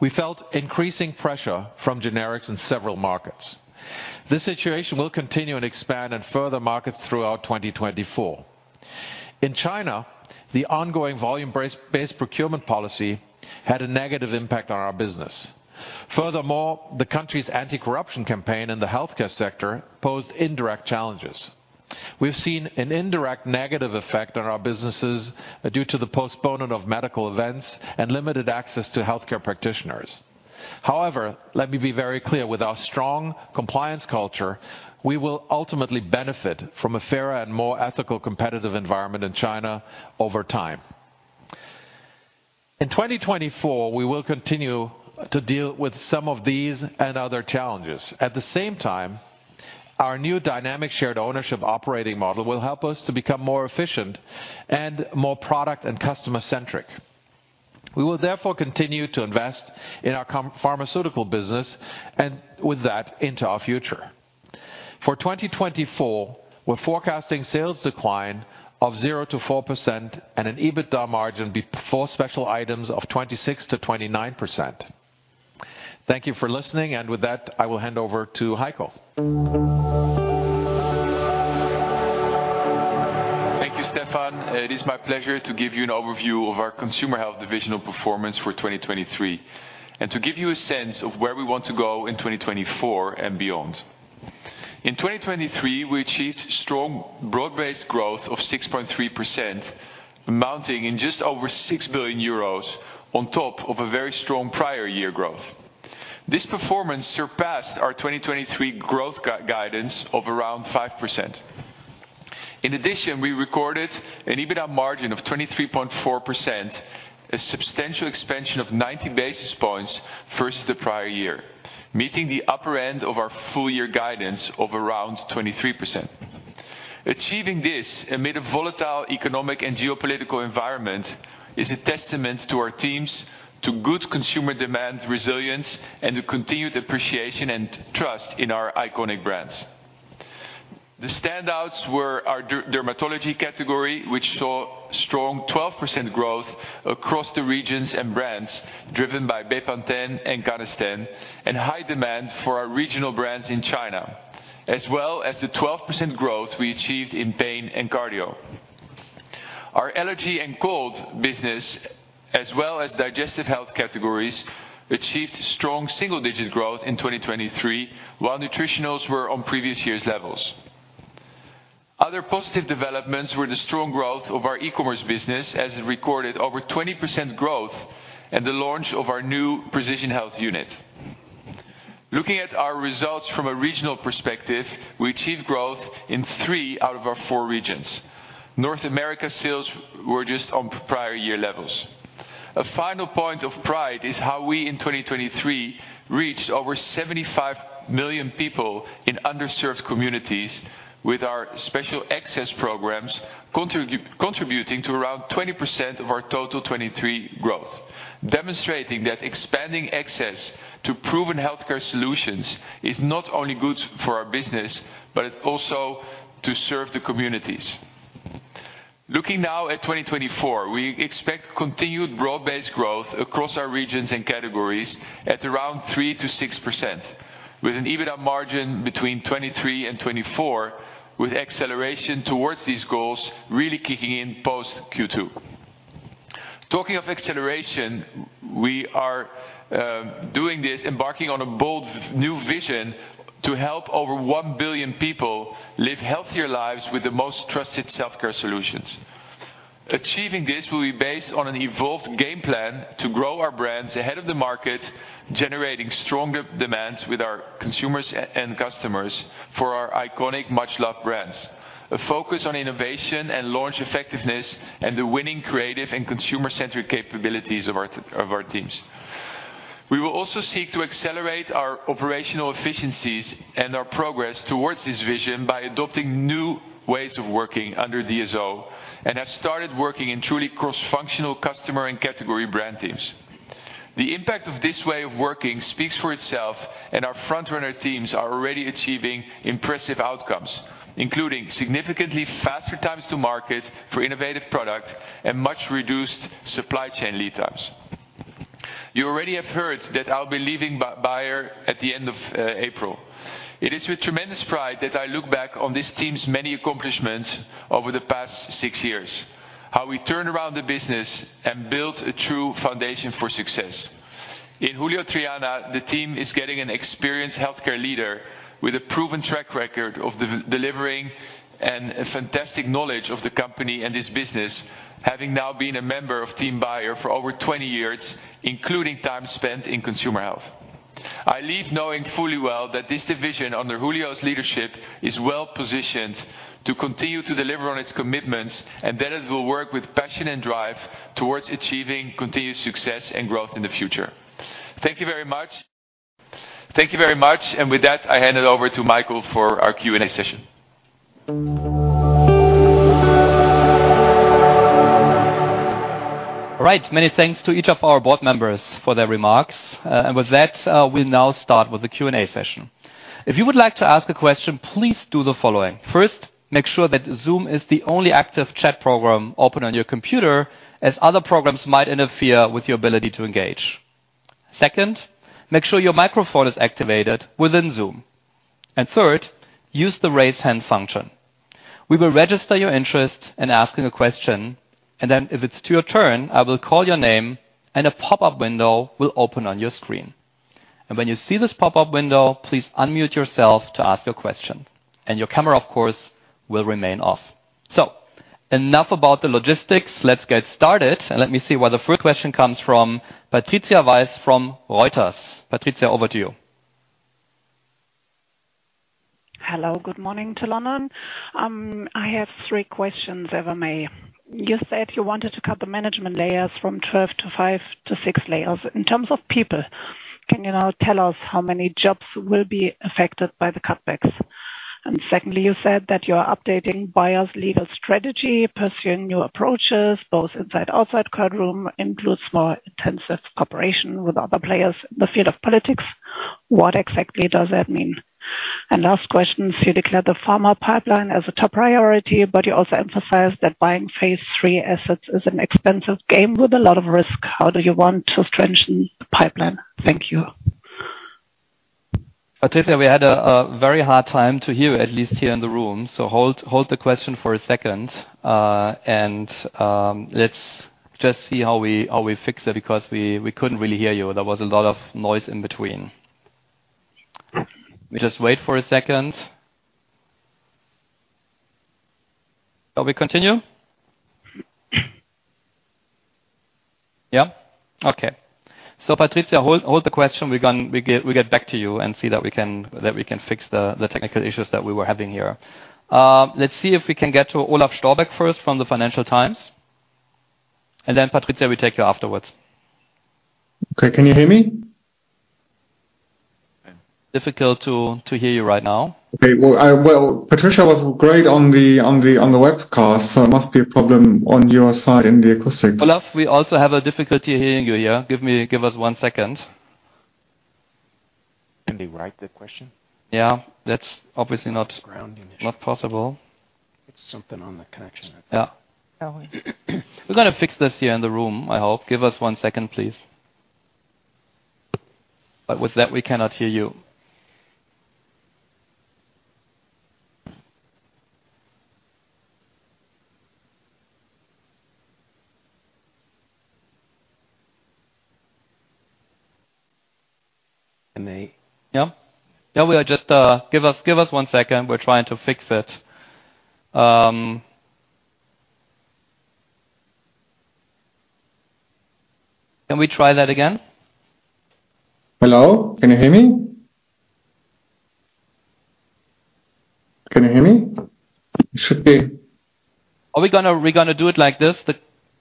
We felt increasing pressure from generics in several markets. This situation will continue and expand in further markets throughout 2024. In China, the ongoing volume-based procurement policy had a negative impact on our business. Furthermore, the country's anti-corruption campaign in the healthcare sector posed indirect challenges. We've seen an indirect negative effect on our businesses due to the postponement of medical events and limited access to healthcare practitioners. However, let me be very clear: with our strong compliance culture, we will ultimately benefit from a fairer and more ethical competitive environment in China over time. In 2024, we will continue to deal with some of these and other challenges. At the same time, our new Dynamic Shared Ownership operating model will help us to become more efficient and more product and customer-centric. We will therefore continue to invest in our pharmaceutical business and, with that, into our future. For 2024, we're forecasting sales decline of 0%-4% and an EBITDA margin before special items of 26%-29%. Thank you for listening, and with that, I will hand over to Heiko. Thank you, Stefan. It is my pleasure to give you an overview of our Consumer Health divisional performance for 2023 and to give you a sense of where we want to go in 2024 and beyond. In 2023, we achieved strong broad-based growth of 6.3%, amounting in just over 6 billion euros on top of a very strong prior year growth. This performance surpassed our 2023 growth guidance of around 5%. In addition, we recorded an EBITDA margin of 23.4%, a substantial expansion of 90 basis points versus the prior year, meeting the upper end of our full-year guidance of around 23%. Achieving this amid a volatile economic and geopolitical environment is a testament to our team's good consumer demand resilience and the continued appreciation and trust in our iconic brands. The standouts were our dermatology category, which saw strong 12% growth across the regions and brands driven by Bepanthen and Canesten, and high demand for our regional brands in China, as well as the 12% growth we achieved in pain and cardio. Our allergy and cold business, as well as digestive health categories, achieved strong single-digit growth in 2023 while nutritionals were on previous year's levels. Other positive developments were the strong growth of our e-commerce business, as it recorded over 20% growth, and the launch of our new Precision Health unit. Looking at our results from a regional perspective, we achieved growth in three out of our four regions. North America sales were just on prior year levels. A final point of pride is how we, in 2023, reached over 75 million people in underserved communities with our special access programs, contributing to around 20% of our total 2023 growth, demonstrating that expanding access to proven healthcare solutions is not only good for our business but also to serve the communities. Looking now at 2024, we expect continued broad-based growth across our regions and categories at around 3%-6%, with an EBITDA margin between 23%-24%, with acceleration towards these goals really kicking in post-Q2. Talking of acceleration, we are doing this, embarking on a bold new vision to help over 1 billion people live healthier lives with the most trusted self-care solutions. Achieving this will be based on an evolved game plan to grow our brands ahead of the market, generating stronger demands with our consumers and customers for our iconic, much-loved brands, a focus on innovation and launch effectiveness, and the winning creative and consumer-centric capabilities of our teams. We will also seek to accelerate our operational efficiencies and our progress towards this vision by adopting new ways of working under DSO and have started working in truly cross-functional customer and category brand teams. The impact of this way of working speaks for itself, and our frontrunner teams are already achieving impressive outcomes, including significantly faster times to market for innovative products and much reduced supply chain lead times. You already have heard that I'll be leaving Bayer at the end of April. It is with tremendous pride that I look back on this team's many accomplishments over the past six years, how we turned around the business and built a true foundation for success. In Julio Triana, the team is getting an experienced healthcare leader with a proven track record of delivering and fantastic knowledge of the company and this business, having now been a member of Team Bayer for over 20 years, including time spent in Consumer Health. I leave knowing fully well that this division under Julio's leadership is well positioned to continue to deliver on its commitments and that it will work with passion and drive towards achieving continued success and growth in the future. Thank you very much. Thank you very much. With that, I hand it over to Michael for our Q&A session. All right. Many thanks to each of our board members for their remarks. And with that, we'll now start with the Q&A session. If you would like to ask a question, please do the following. First, make sure that Zoom is the only active chat program open on your computer, as other programs might interfere with your ability to engage. Second, make sure your microphone is activated within Zoom. And third, use the raise hand function. We will register your interest in asking a question, and then if it's your turn, I will call your name, and a pop-up window will open on your screen. And when you see this pop-up window, please unmute yourself to ask your question. And your camera, of course, will remain off. So enough about the logistics. Let's get started. And let me see where the first question comes from. Patricia Weiss from Reuters. Patricia, over to you. Hello. Good morning to London. I have three questions, if I may. You said you wanted to cut the management layers from 12 to 5 to 6 layers. In terms of people, can you now tell us how many jobs will be affected by the cutbacks? And secondly, you said that you are updating Bayer's legal strategy, pursuing new approaches, both inside and outside courtroom, includes more intensive cooperation with other players in the field of politics. What exactly does that mean? And last question: you declared the pharma pipeline as a top priority, but you also emphasized that buying phase III assets is an expensive game with a lot of risk. How do you want to strengthen the pipeline? Thank you. Patricia, we had a very hard time to hear you, at least here in the room. So hold the question for a second, and let's just see how we fix it because we couldn't really hear you. There was a lot of noise in between. We just wait for a second. Shall we continue? Yeah? Okay. So Patricia, hold the question. We'll get back to you and see that we can fix the technical issues that we were having here. Let's see if we can get to Olaf Storbeck first from The Financial Times. And then, Patricia, we take you afterwards. Okay. Can you hear me? Difficult to hear you right now. Okay. Well, Patricia was great on the webcast, so it must be a problem on your side in the acoustics. Olaf, we also have a difficulty hearing you here. Give us one second. Can they write the question? Yeah. That's obviously not possible. It's something on the connection. Yeah. We're going to fix this here in the room, I hope. Give us one second, please. But with that, we cannot hear you. Can they? Yeah? Yeah. We are just give us one second. We're trying to fix it. Can we try that again? Hello? Can you hear me? Can you hear me? It should be. Are we going to do it like this?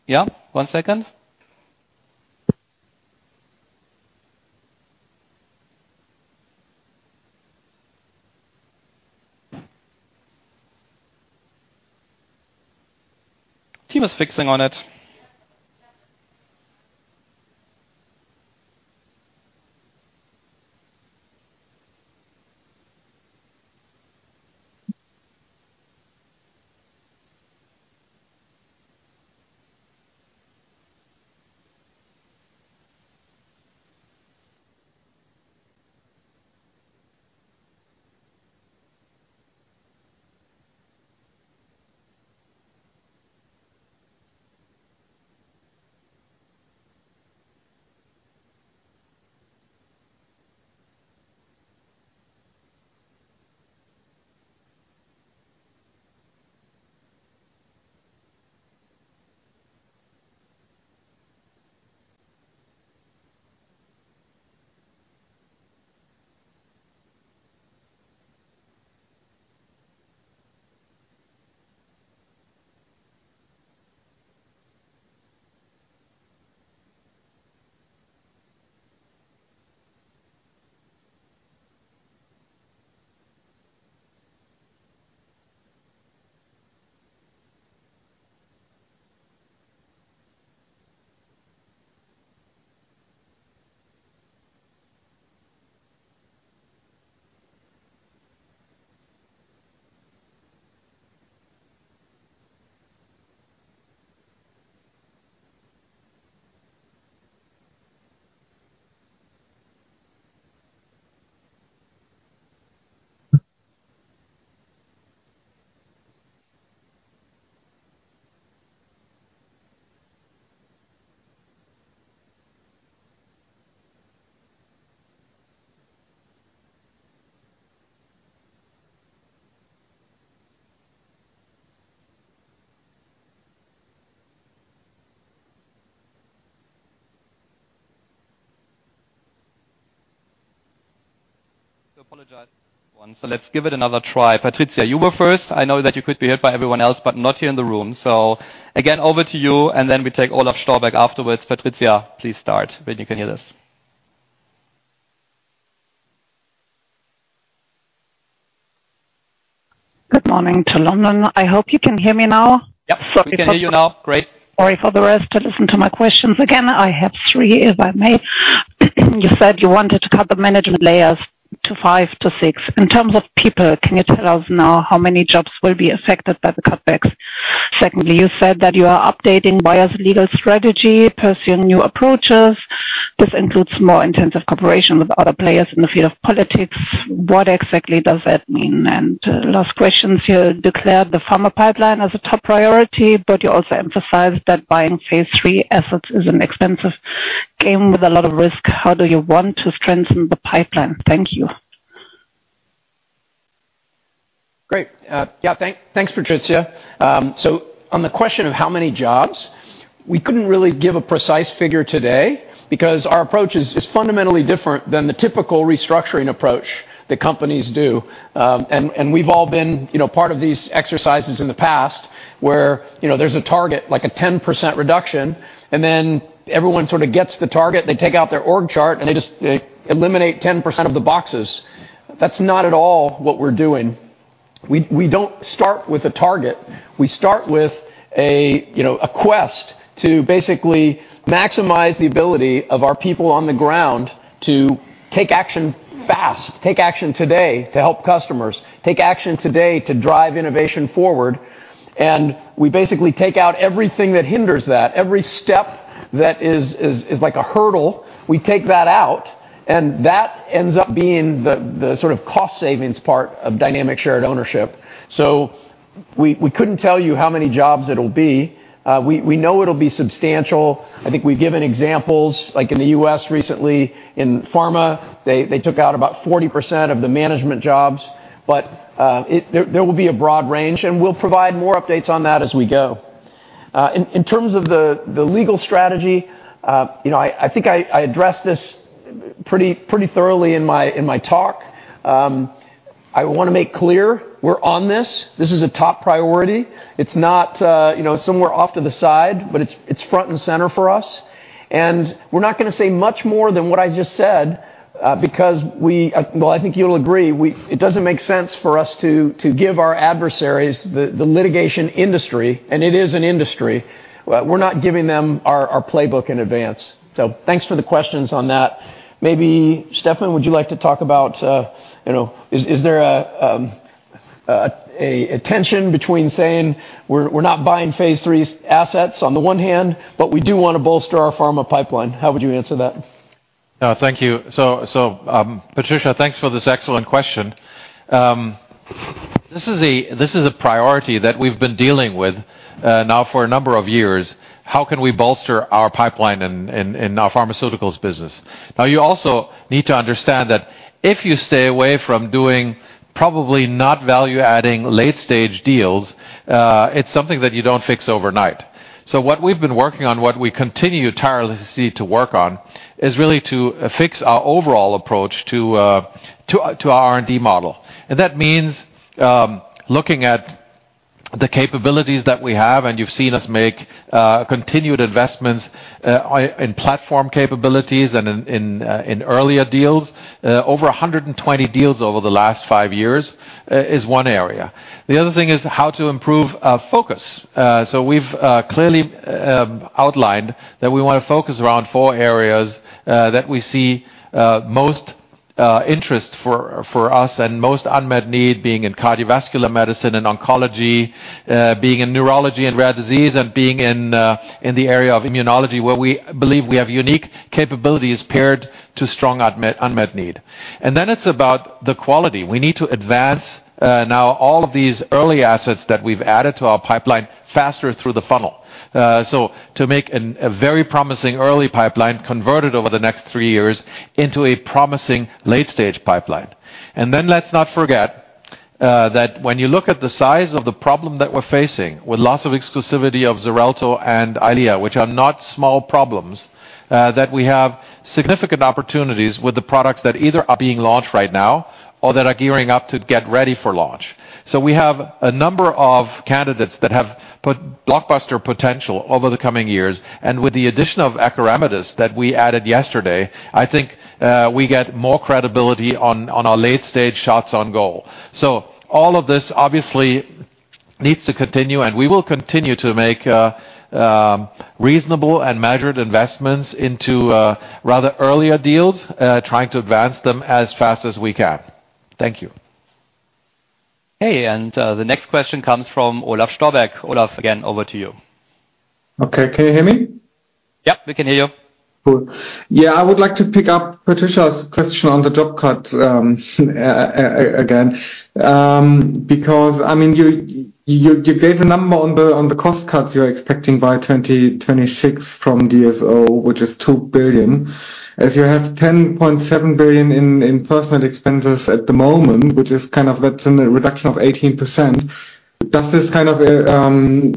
Yeah? One second. Team is fixing on it. So apologize. So let's give it another try. Patricia, you were first. I know that you could be heard by everyone else but not here in the room. So again, over to you, and then we take Olaf Storbeck afterwards. Patricia, please start when you can hear this. Good morning to London. I hope you can hear me now. Yep. We can hear you now. Great. Sorry for the rest to listen to my questions. Again, I have three, if I may. You said you wanted to cut the management layers to five to six. In terms of people, can you tell us now how many jobs will be affected by the cutbacks? Secondly, you said that you are updating Bayer's legal strategy, pursuing new approaches. This includes more intensive cooperation with other players in the field of politics. What exactly does that mean? And last questions here: you declared the pharma pipeline as a top priority, but you also emphasized that buying phase III assets is an expensive game with a lot of risk. How do you want to strengthen the pipeline? Thank you. Great. Yeah. Thanks, Patricia. So on the question of how many jobs, we couldn't really give a precise figure today because our approach is fundamentally different than the typical restructuring approach that companies do. We've all been part of these exercises in the past where there's a target, like a 10% reduction, and then everyone sort of gets the target. They take out their org chart, and they just eliminate 10% of the boxes. That's not at all what we're doing. We don't start with a target. We start with a quest to basically maximize the ability of our people on the ground to take action fast, take action today to help customers, take action today to drive innovation forward. And we basically take out everything that hinders that, every step that is like a hurdle. We take that out, and that ends up being the sort of cost-savings part of Dynamic Shared Ownership. So we couldn't tell you how many jobs it'll be. We know it'll be substantial. I think we've given examples. In the U.S. recently, in pharma, they took out about 40% of the management jobs. But there will be a broad range, and we'll provide more updates on that as we go. In terms of the legal strategy, I think I addressed this pretty thoroughly in my talk. I want to make clear we're on this. This is a top priority. It's not somewhere off to the side, but it's front and center for us. And we're not going to say much more than what I just said because we, well, I think you'll agree. It doesn't make sense for us to give our adversaries, the litigation industry - and it is an industry - we're not giving them our playbook in advance. So thanks for the questions on that. Maybe, Stefan, would you like to talk about is there a tension between saying we're not buying phase III assets on the one hand, but we do want to bolster our pharma pipeline? How would you answer that? Thank you. So, Patricia, thanks for this excellent question. This is a priority that we've been dealing with now for a number of years. How can we bolster our pipeline in our Pharmaceuticals business? Now, you also need to understand that if you stay away from doing probably not value-adding late-stage deals, it's something that you don't fix overnight. So what we've been working on, what we continue tirelessly to work on, is really to fix our overall approach to our R&D model. And that means looking at the capabilities that we have, and you've seen us make continued investments in platform capabilities and in earlier deals. Over 120 deals over the last five years is one area. The other thing is how to improve focus. So we've clearly outlined that we want to focus around four areas that we see most interest for us and most unmet need, being in cardiovascular medicine and oncology, being in neurology and rare disease, and being in the area of immunology where we believe we have unique capabilities paired to strong unmet need. And then it's about the quality. We need to advance now all of these early assets that we've added to our pipeline faster through the funnel, so to make a very promising early pipeline converted over the next three years into a promising late-stage pipeline. And then let's not forget that when you look at the size of the problem that we're facing with loss of exclusivity of Xarelto and Eylea, which are not small problems, that we have significant opportunities with the products that either are being launched right now or that are gearing up to get ready for launch. So we have a number of candidates that have blockbuster potential over the coming years. And with the addition of Acoramidis that we added yesterday, I think we get more credibility on our late-stage shots on goal. So all of this, obviously, needs to continue, and we will continue to make reasonable and measured investments into rather earlier deals, trying to advance them as fast as we can. Thank you. Hey. And the next question comes from Olaf Storbeck. Olaf, again, over to you. Okay. Can you hear me? Yep. We can hear you. Cool. Yeah. I would like to pick up Patricia's question on the job cuts again because, I mean, you gave a number on the cost cuts you're expecting by 2026 from DSO, which is 2 billion. As you have 10.7 billion in personnel expenses at the moment, which is kind of that's a reduction of 18%, does this kind of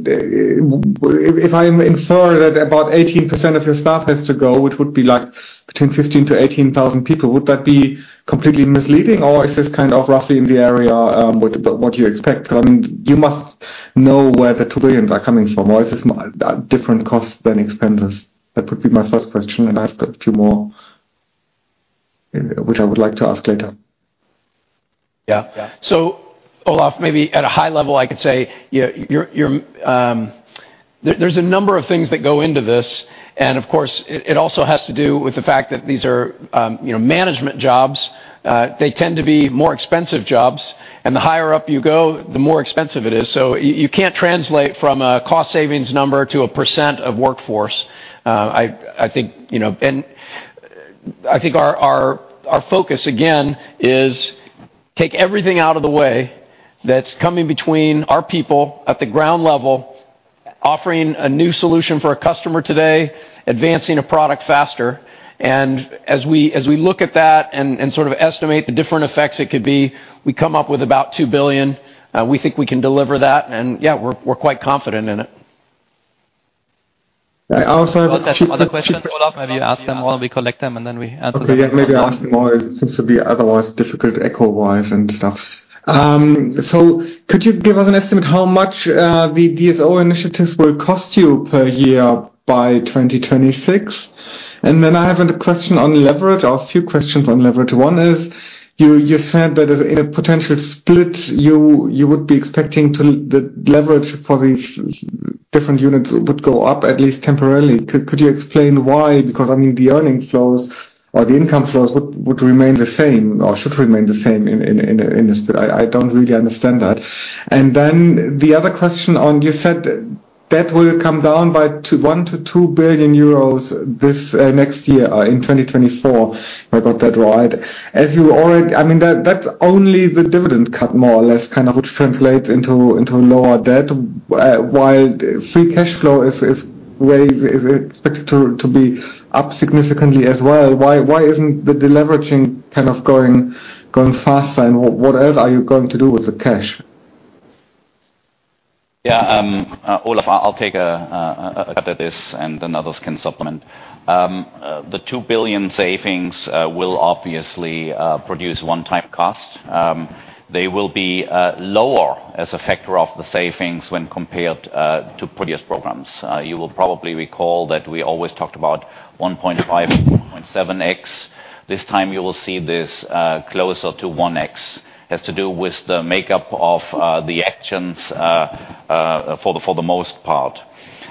if I infer that about 18% of your staff has to go, which would be between 15,000-18,000 people, would that be completely misleading, or is this kind of roughly in the area what you expect? Because, I mean, you must know where the 2 billion are coming from, or is this different costs than expenses? That would be my first question, and I've got a few more which I would like to ask later. Yeah. So Olaf, maybe at a high level, I could say there's a number of things that go into this. Of course, it also has to do with the fact that these are management jobs. They tend to be more expensive jobs. And the higher up you go, the more expensive it is. So you can't translate from a cost-savings number to a % of workforce, I think. And I think our focus, again, is take everything out of the way that's coming between our people at the ground level, offering a new solution for a customer today, advancing a product faster. And as we look at that and sort of estimate the different effects it could be, we come up with about 2 billion. We think we can deliver that. And yeah, we're quite confident in it. I also have two other questions. Olaf. Maybe you ask them while we collect them, and then we answer them. Okay. Yeah. Maybe I'll ask them all. It seems to be otherwise difficult echo-wise and stuff. So could you give us an estimate how much the DSO initiatives will cost you per year by 2026? And then I have a question on leverage or a few questions on leverage. One is you said that in a potential split, you would be expecting the leverage for these different units would go up, at least temporarily. Could you explain why? Because, I mean, the earning flows or the income flows would remain the same or should remain the same in a split. I don't really understand that. And then the other question on you said that will come down by 1 billion-2 billion euros next year in 2024, if I got that right. I mean, that's only the dividend cut, more or less, kind of which translates into lower debt, while free cash flow is expected to be up significantly as well. Why isn't the leveraging kind of going faster, and what else are you going to do with the cash? Yeah. Olaf, I'll take a cut at this, and then others can supplement. The 2 billion savings will obviously produce one-time cost. They will be lower as a factor of the savings when compared to previous programs. You will probably recall that we always talked about 1.5-1.7x. This time, you will see this closer to 1x. It has to do with the makeup of the actions for the most part.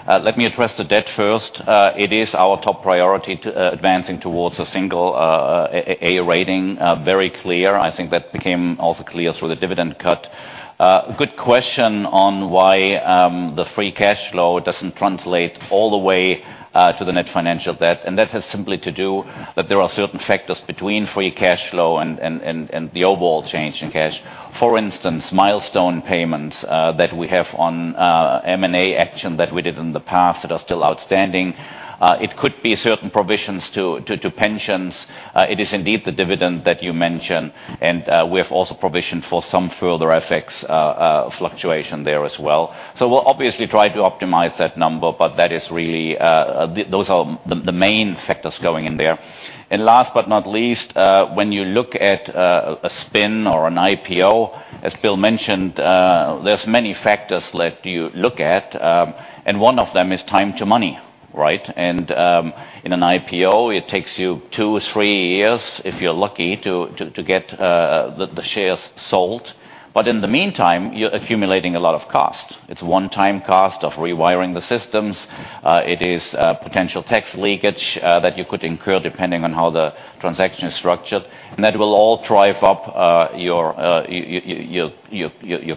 Let me address the debt first. It is our top priority advancing towards a single A rating, very clear. I think that became also clear through the dividend cut. Good question on why the free cash flow doesn't translate all the way to the net financial debt. That has simply to do that there are certain factors between free cash flow and the overall change in cash. For instance, milestone payments that we have on M&A action that we did in the past that are still outstanding. It could be certain provisions to pensions. It is indeed the dividend that you mentioned. We have also provisioned for some further FX fluctuation there as well. We'll obviously try to optimize that number, but that is really those are the main factors going in there. Last but not least, when you look at a spin or an IPO, as Bill mentioned, there's many factors that you look at. One of them is time to money, right? In an IPO, it takes you two, three years, if you're lucky, to get the shares sold. But in the meantime, you're accumulating a lot of cost. It's one-time cost of rewiring the systems. It is potential tax leakage that you could incur depending on how the transaction is structured. And that will all drive up your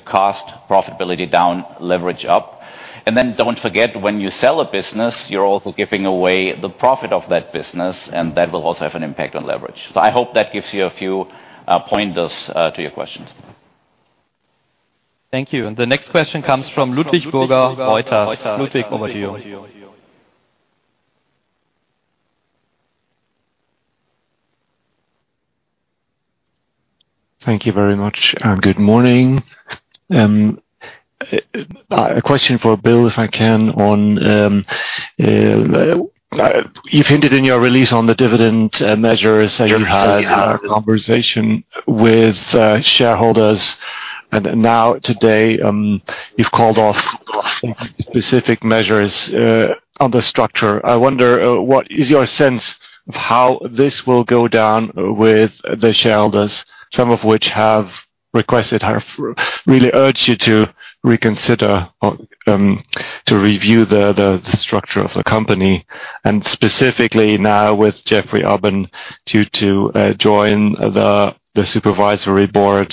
cost, profitability down, leverage up. And then don't forget, when you sell a business, you're also giving away the profit of that business, and that will also have an impact on leverage. So I hope that gives you a few pointers to your questions. Thank you. And the next question comes from Ludwig Burger, Reuters. Ludwig, over to you. Thank you very much. Good morning. A question for Bill, if I can, on – you've hinted in your release on the dividend measures that you had a conversation with shareholders. And now, today, you've called off specific measures on the structure. I wonder, what is your sense of how this will go down with the shareholders, some of which have requested, have really urged you to reconsider or to review the structure of the company? And specifically now with Jeffrey Ubben to join the Supervisory Board,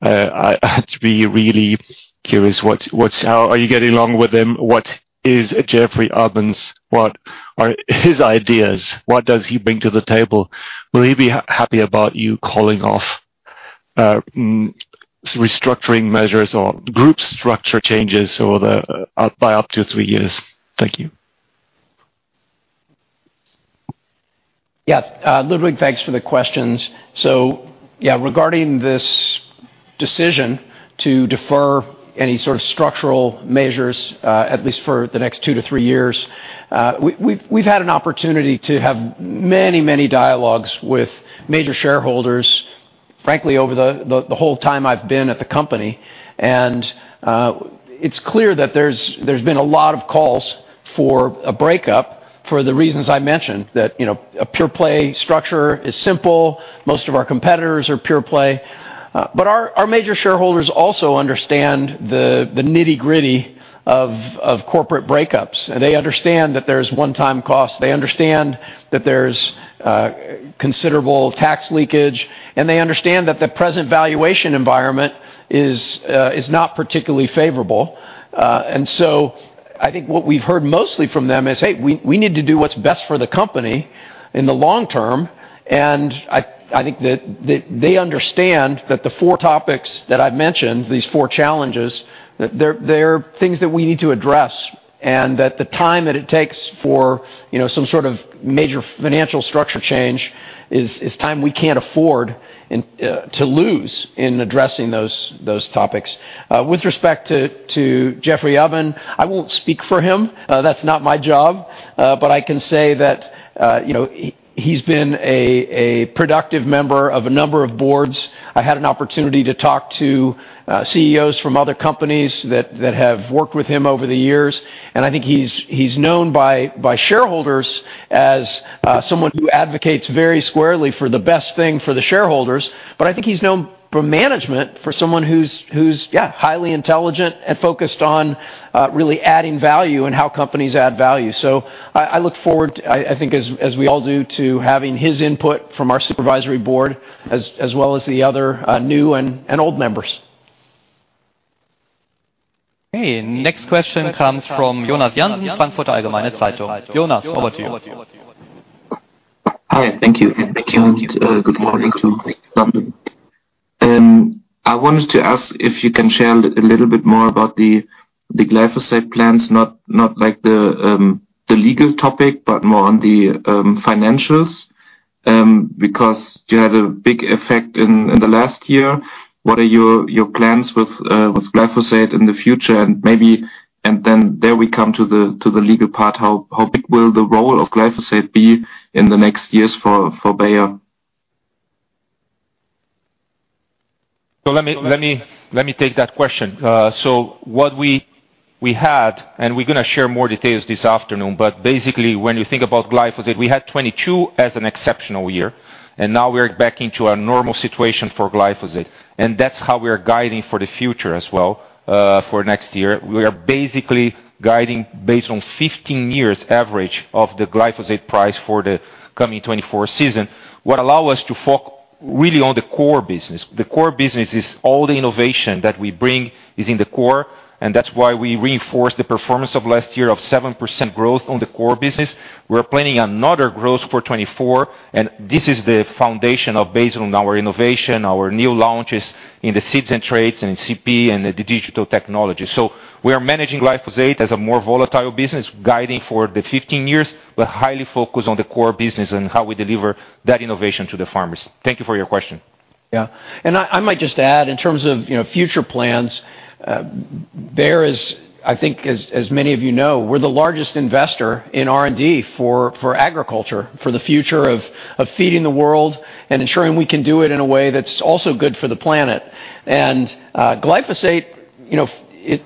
I'd be really curious. Are you getting along with him? What is Jeffrey Ubben's, what are his ideas? What does he bring to the table? Will he be happy about you calling off restructuring measures or group structure changes by up to three years? Thank you. Yes. Ludwig, thanks for the questions. So yeah, regarding this decision to defer any sort of structural measures, at least for the next two-three years, we've had an opportunity to have many, many dialogues with major shareholders, frankly, over the whole time I've been at the company. And it's clear that there's been a lot of calls for a breakup for the reasons I mentioned, that a pure-play structure is simple. Most of our competitors are pure-play. But our major shareholders also understand the nitty-gritty of corporate breakups. They understand that there's one-time costs. They understand that there's considerable tax leakage. And they understand that the present valuation environment is not particularly favorable. And so I think what we've heard mostly from them is, "Hey, we need to do what's best for the company in the long term." And I think that they understand that the four topics that I've mentioned, these four challenges, they're things that we need to address and that the time that it takes for some sort of major financial structure change is time we can't afford to lose in addressing those topics. With respect to Jeffrey Ubben, I won't speak for him. That's not my job. But I can say that he's been a productive member of a number of boards. I had an opportunity to talk to CEOs from other companies that have worked with him over the years. And I think he's known by shareholders as someone who advocates very squarely for the best thing for the shareholders. But I think he's known by management for someone who's, yeah, highly intelligent and focused on really adding value and how companies add value. So I look forward, I think, as we all do, to having his input from our Supervisory Board as well as the other new and old members. Hey. Next question comes from Jonas Jansen, Frankfurter Allgemeine Zeitung. Jonas, over to you. Hi. Thank you. And thank you. And good morning to London. I wanted to ask if you can share a little bit more about the glyphosate plans, not the legal topic, but more on the financials because you had a big effect in the last year. What are your plans with glyphosate in the future? And then there we come to the legal part. How big will the role of glyphosate be in the next years for Bayer? So let me take that question. So what we had, and we're going to share more details this afternoon, but basically, when you think about glyphosate, we had 2022 as an exceptional year. And now we're back into a normal situation for glyphosate. And that's how we are guiding for the future as well for next year. We are basically guiding based on 15 years' average of the glyphosate price for the coming 2024 season, what allow us to focus really on the core business. The core business is all the innovation that we bring is in the core. And that's why we reinforced the performance of last year of 7% growth on the core business. We are planning another growth for 2024. And this is the foundation based on our innovation, our new launches in the seeds and traits and in CP and the digital technology. So we are managing glyphosate as a more volatile business, guiding for the 15 years, but highly focused on the core business and how we deliver that innovation to the farmers. Thank you for your question. Yeah. And I might just add, in terms of future plans, Bayer is, I think, as many of you know, we're the largest investor in R&D for agriculture, for the future of feeding the world and ensuring we can do it in a way that's also good for the planet. And glyphosate,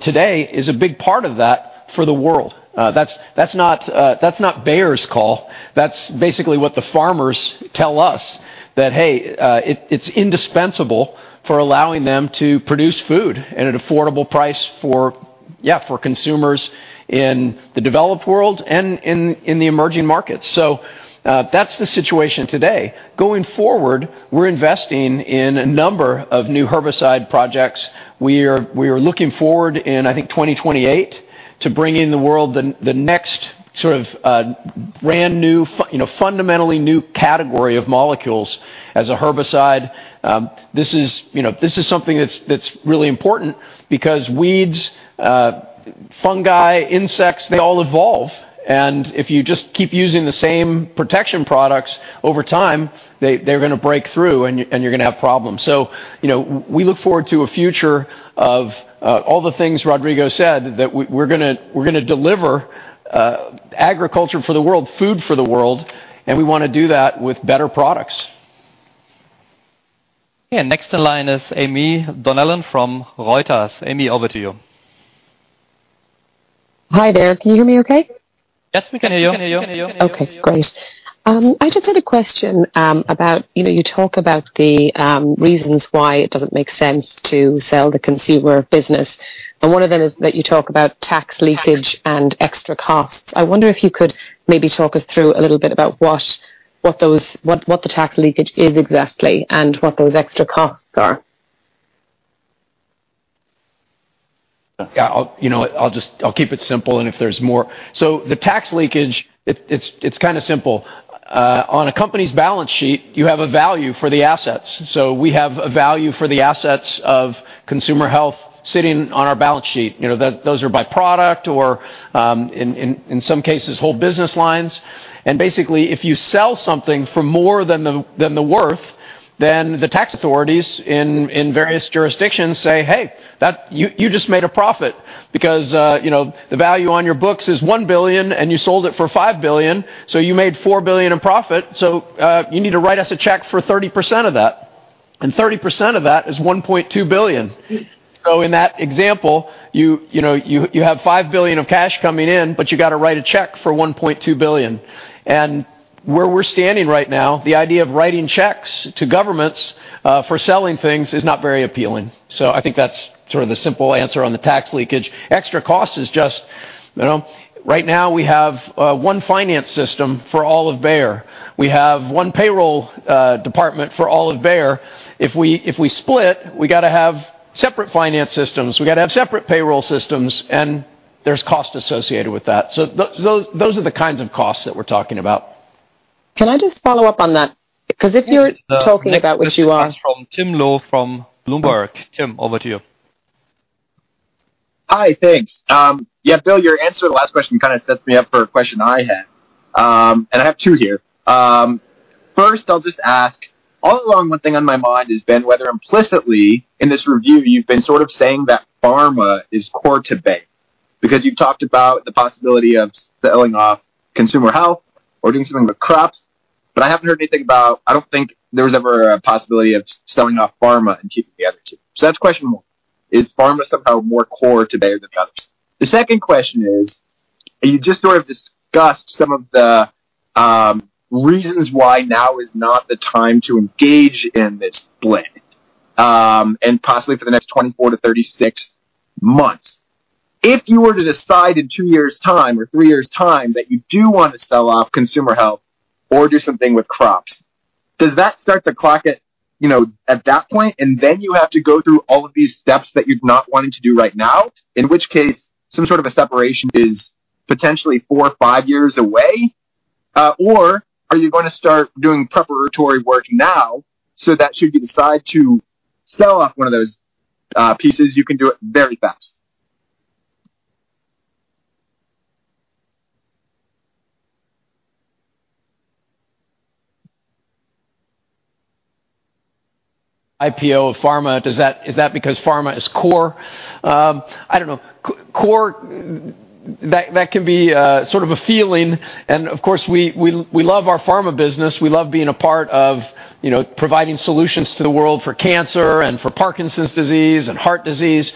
today, is a big part of that for the world. That's not Bayer's call. That's basically what the farmers tell us, that, "Hey, it's indispensable for allowing them to produce food at an affordable price, yeah, for consumers in the developed world and in the emerging markets." So that's the situation today. Going forward, we're investing in a number of new herbicide projects. We are looking forward in, I think, 2028 to bring in the world the next sort of brand new, fundamentally new category of molecules as a herbicide. This is something that's really important because weeds, fungi, insects, they all evolve. And if you just keep using the same protection products over time, they're going to break through, and you're going to have problems. So we look forward to a future of all the things Rodrigo said, that we're going to deliver agriculture for the world, food for the world. And we want to do that with better products. Yeah. Next in line is Aimee Donnellan from Reuters. Aimee, over to you. Hi, there. Can you hear me okay? Yes, we can hear you. We can hear you. We can hear you. Okay. Great. I just had a question about you talk about the reasons why it doesn't make sense to sell the Consumer Health business. And one of them is that you talk about tax leakage and extra costs. I wonder if you could maybe talk us through a little bit about what the tax leakage is exactly and what those extra costs are. Yeah. I'll keep it simple. And if there's more so the tax leakage, it's kind of simple. On a company's balance sheet, you have a value for the assets. So we have a value for the assets of Consumer Health sitting on our balance sheet. Those are by product or, in some cases, whole business lines. Basically, if you sell something for more than the worth, then the tax authorities in various jurisdictions say, "Hey, you just made a profit because the value on your books is 1 billion, and you sold it for 5 billion. So you made 4 billion in profit. So you need to write us a check for 30% of that. And 30% of that is 1.2 billion." So in that example, you have 5 billion of cash coming in, but you got to write a check for 1.2 billion. And where we're standing right now, the idea of writing checks to governments for selling things is not very appealing. So I think that's sort of the simple answer on the tax leakage. Extra cost is just right now, we have one finance system for all of Bayer. We have one payroll department for all of Bayer. If we split, we got to have separate finance systems. We got to have separate payroll systems. And there's cost associated with that. So those are the kinds of costs that we're talking about. Can I just follow up on that? Because if you're talking about what you are. This is Tim Loh from Bloomberg. Tim, over to you. Hi. Thanks. Yeah, Bill, your answer to the last question kind of sets me up for a question I had. And I have two here. First, I'll just ask, all along, one thing on my mind has been whether implicitly, in this review, you've been sort of saying that pharma is core to Bayer because you've talked about the possibility of selling off Consumer Health or doing something with crops. But I haven't heard anything about. I don't think there was ever a possibility of selling off pharma and keeping the other two. So that's question one. Is pharma somehow more core to Bayer than the others? The second question is, you just sort of discussed some of the reasons why now is not the time to engage in this split and possibly for the next 24-36 months. If you were to decide in two years' time or three years' time that you do want to sell off Consumer Health or do something with crops, does that start to clock at that point? And then you have to go through all of these steps that you're not wanting to do right now, in which case some sort of a separation is potentially four-five years away? Or are you going to start doing preparatory work now so that should you decide to sell off one of those pieces, you can do it very fast? IPO of pharma, is that because pharma is core? I don't know. Core, that can be sort of a feeling. And of course, we love our pharma business. We love being a part of providing solutions to the world for cancer and for Parkinson's disease and heart disease.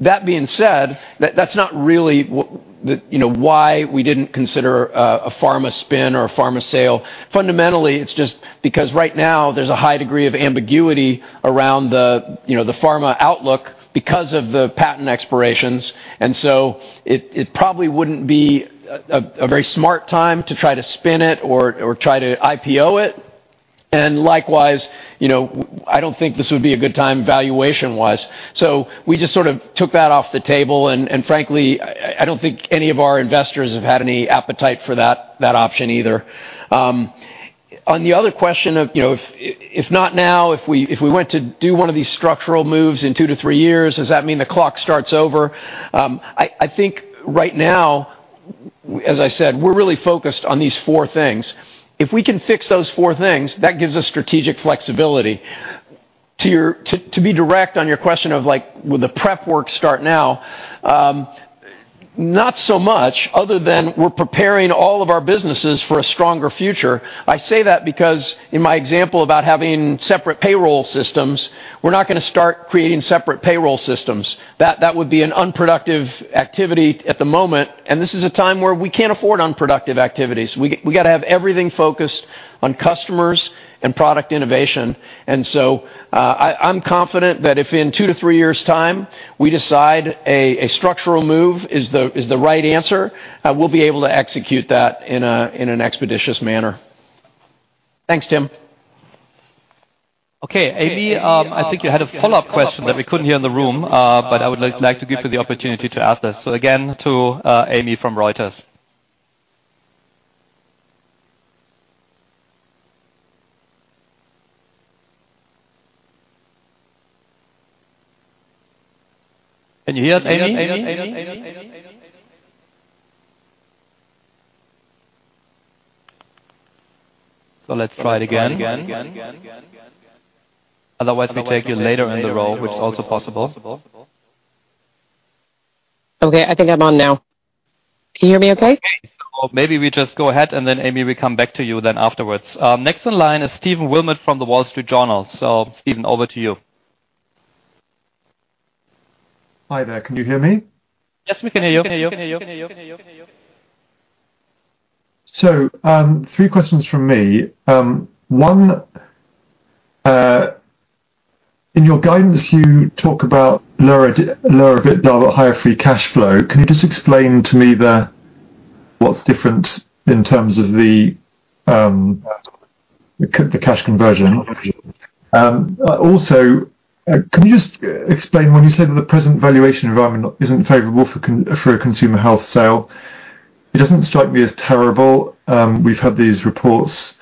That being said, that's not really why we didn't consider a pharma spin or a pharma sale. Fundamentally, it's just because right now, there's a high degree of ambiguity around the pharma outlook because of the patent expirations. And so it probably wouldn't be a very smart time to try to spin it or try to IPO it. And likewise, I don't think this would be a good time valuation-wise. We just sort of took that off the table. Frankly, I don't think any of our investors have had any appetite for that option either. On the other question of if not now, if we went to do one of these structural moves in two-three years, does that mean the clock starts over? I think right now, as I said, we're really focused on these four things. If we can fix those four things, that gives us strategic flexibility. To be direct on your question of will the prep work start now, not so much other than we're preparing all of our businesses for a stronger future. I say that because in my example about having separate payroll systems, we're not going to start creating separate payroll systems. That would be an unproductive activity at the moment. This is a time where we can't afford unproductive activities. We got to have everything focused on customers and product innovation. And so I'm confident that if in two to three years' time, we decide a structural move is the right answer, we'll be able to execute that in an expeditious manner. Thanks, Tim. Okay. Aimee, I think you had a follow-up question that we couldn't hear in the room. But I would like to give you the opportunity to ask this. So again, to Aimee from Reuters. Can you hear us, Aimee? So let's try it again. Otherwise, we take you later in the row, which is also possible. Okay. I think I'm on now. Can you hear me okay? Okay. So maybe we just go ahead. And then, Aimee, we come back to you then afterwards. Next in line is Stephen Wilmot from The Wall Street Journal. So Stephen, over to you. Hi there. Can you hear me? Yes, we can hear you. So three questions from me. One, in your guidance, you talk about lower EBITDA, higher free cash flow. Can you just explain to me what's different in terms of the cash conversion? Also, can you just explain when you say that the present valuation environment isn't favorable for a Consumer Health sale, it doesn't strike me as terrible. We've had these reports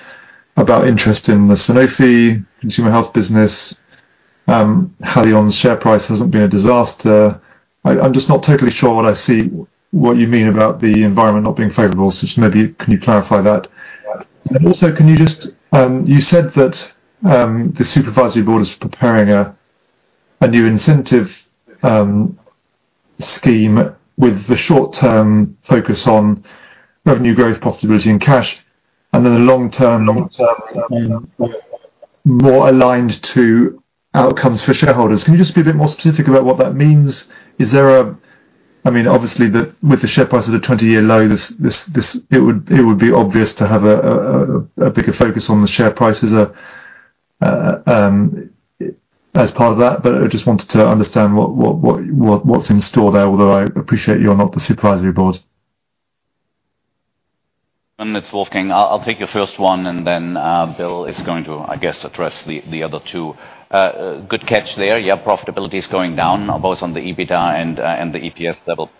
about interest in the Sanofi Consumer Health business. Haleon's share price hasn't been a disaster. I'm just not totally sure what you mean about the environment not being favorable. So maybe can you clarify that? And also, can you just, you said that the Supervisory Board is preparing a new incentive scheme with the short-term focus on revenue growth, profitability, and cash, and then the long-term more aligned to outcomes for shareholders. Can you just be a bit more specific about what that means? I mean, obviously, with the share price at a 20-year low, it would be obvious to have a bigger focus on the share prices as part of that. But I just wanted to understand what's in store there, although I appreciate you're not the Supervisory Board. And it's Wolfgang. I'll take your first one. And then, Bill is going to, I guess, address the other two. Good catch there. Yeah, profitability is going down, both on he EBITDA and the EPS level.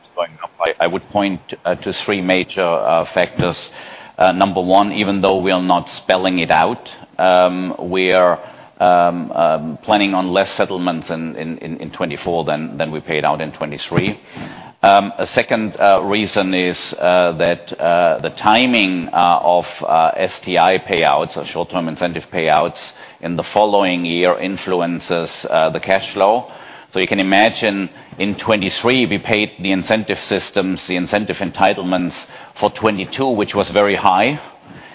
It's going up. I would point to three major factors. Number one, even though we are not spelling it out, we are planning on less settlements in 2024 than we paid out in 2023. A second reason is that the timing of STI payouts, so short-term incentive payouts, in the following year influences the cash flow. So you can imagine, in 2023, we paid the incentive systems, the incentive entitlements for 2022, which was very high.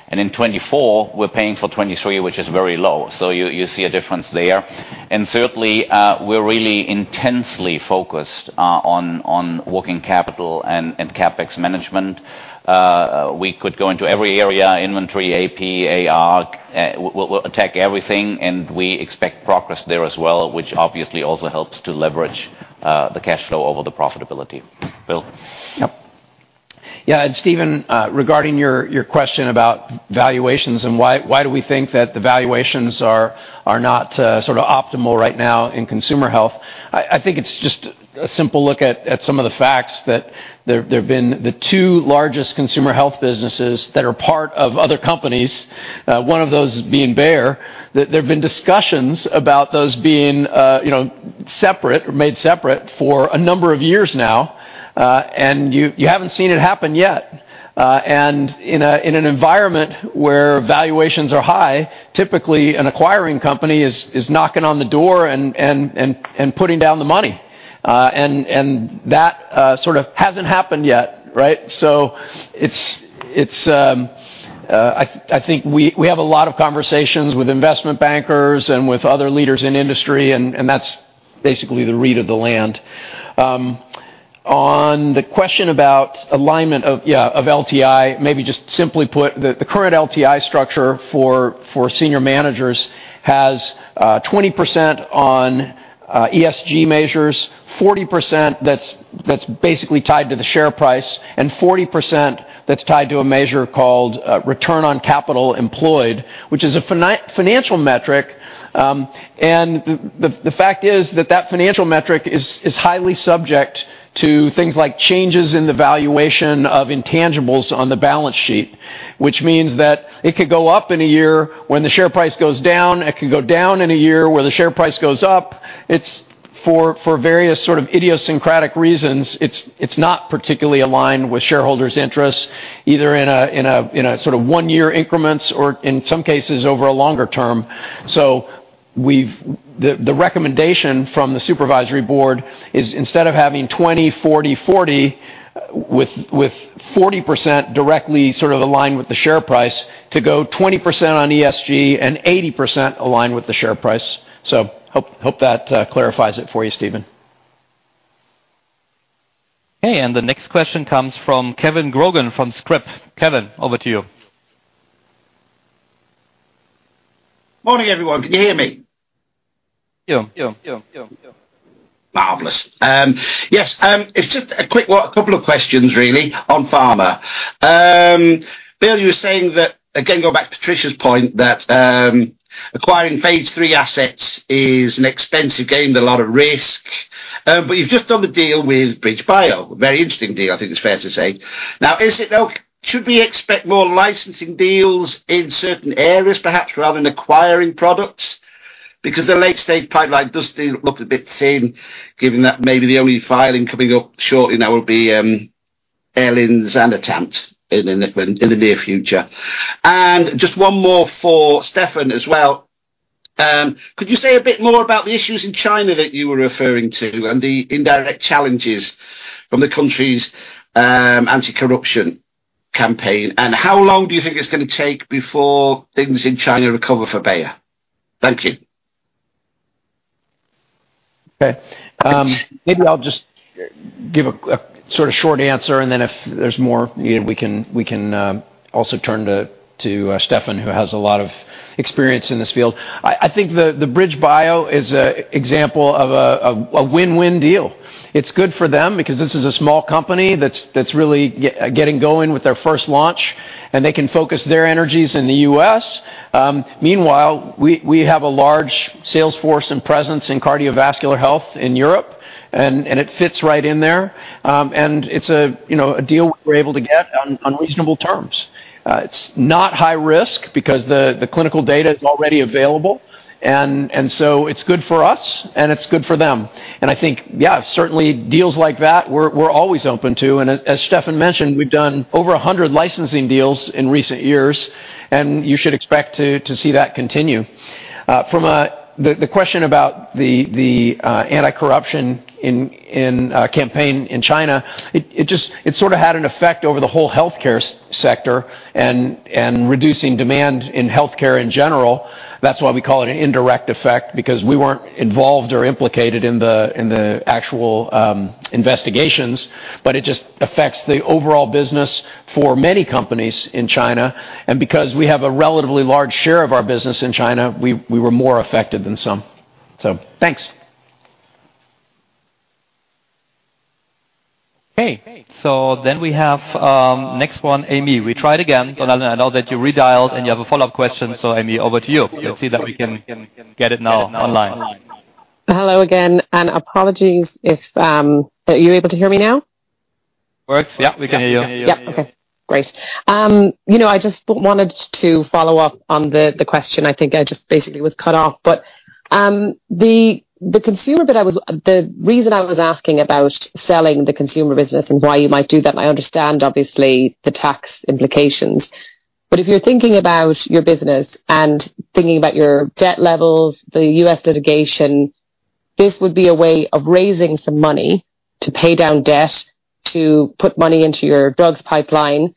And in 2024, we're paying for 2023, which is very low. So you see a difference there. And certainly, we're really intensely focused on working capital and CapEx management. We could go into every area, inventory, AP, AR. We'll attack everything. And we expect progress there as well, which obviously also helps to leverage the cash flow over the profitability. Bill? Yep. Yeah. Stephen, regarding your question about valuations and why do we think that the valuations are not sort of optimal right now in Consumer Health, I think it's just a simple look at some of the facts that there have been the two largest Consumer Health businesses that are part of other companies, one of those being Bayer, that there have been discussions about those being separate or made separate for a number of years now. You haven't seen it happen yet. In an environment where valuations are high, typically, an acquiring company is knocking on the door and putting down the money. That sort of hasn't happened yet, right? I think we have a lot of conversations with investment bankers and with other leaders in industry. That's basically the read of the land. On the question about alignment, yeah, of LTI, maybe just simply put, the current LTI structure for senior managers has 20% on ESG measures, 40% that's basically tied to the share price, and 40% that's tied to a measure called Return on Capital Employed, which is a financial metric. The fact is that that financial metric is highly subject to things like changes in the valuation of intangibles on the balance sheet, which means that it could go up in a year when the share price goes down. It could go down in a year where the share price goes up. For various sort of idiosyncratic reasons, it's not particularly aligned with shareholders' interests, either in sort of one-year increments or, in some cases, over a longer term. So the recommendation from the Supervisory Board is, instead of having 20, 40, 40 with 40% directly sort of aligned with the share price, to go 20% on ESG and 80% aligned with the share price. So hope that clarifies it for you, Stephen. Okay. And the next question comes from Kevin Grogan from Scrip. Kevin, over to you. Morning, everyone. Can you hear me? Yeah. Marvelous. Yes. It's just a couple of questions, really, on pharma. Bill, you were saying that again, going back to Patricia's point, that acquiring phase III assets is an expensive game, there's a lot of risk. But you've just done the deal with BridgeBio. Very interesting deal, I think it's fair to say. Now, should we expect more licensing deals in certain areas, perhaps rather than acquiring products? Because the late-stage pipeline does look a bit thin, given that maybe the only filing coming up shortly now will be Elinzanetant and Asundexian in the near future. And just one more for Stephen as well. Could you say a bit more about the issues in China that you were referring to and the indirect challenges from the country's anti-corruption campaign? And how long do you think it's going to take before things in China recover for Bayer? Thank you. Okay. Maybe I'll just give a sort of short answer. And then if there's more, we can also turn to Stephen, who has a lot of experience in this field. I think the BridgeBio is an example of a win-win deal. It's good for them because this is a small company that's really getting going with their first launch. And they can focus their energies in the U.S. Meanwhile, we have a large salesforce and presence in cardiovascular health in Europe. It fits right in there. It's a deal we were able to get on reasonable terms. It's not high-risk because the clinical data is already available. So it's good for us. It's good for them. I think, yeah, certainly, deals like that, we're always open to. As Stephen mentioned, we've done over 100 licensing deals in recent years. You should expect to see that continue. The question about the anti-corruption campaign in China, it sort of had an effect over the whole healthcare sector and reducing demand in healthcare in general. That's why we call it an indirect effect, because we weren't involved or implicated in the actual investigations. But it just affects the overall business for many companies in China. And because we have a relatively large share of our business in China, we were more affected than some. So thanks. Okay. So then we have next one, Aimee. We tried again. I know that you redialed. And you have a follow-up question. So Aimee, over to you. Let's see that we can get it now online. Hello again. And apologies, are you able to hear me now? Works. Yeah. We can hear you. Yeah. Okay. Great. I just wanted to follow up on the question. I think I just basically was cut off. But the consumer bit, I was the reason I was asking about selling the consumer business and why you might do that, and I understand, obviously, the tax implications. But if you're thinking about your business and thinking about your debt levels, the U.S. litigation, this would be a way of raising some money to pay down debt, to put money into your drugs pipeline.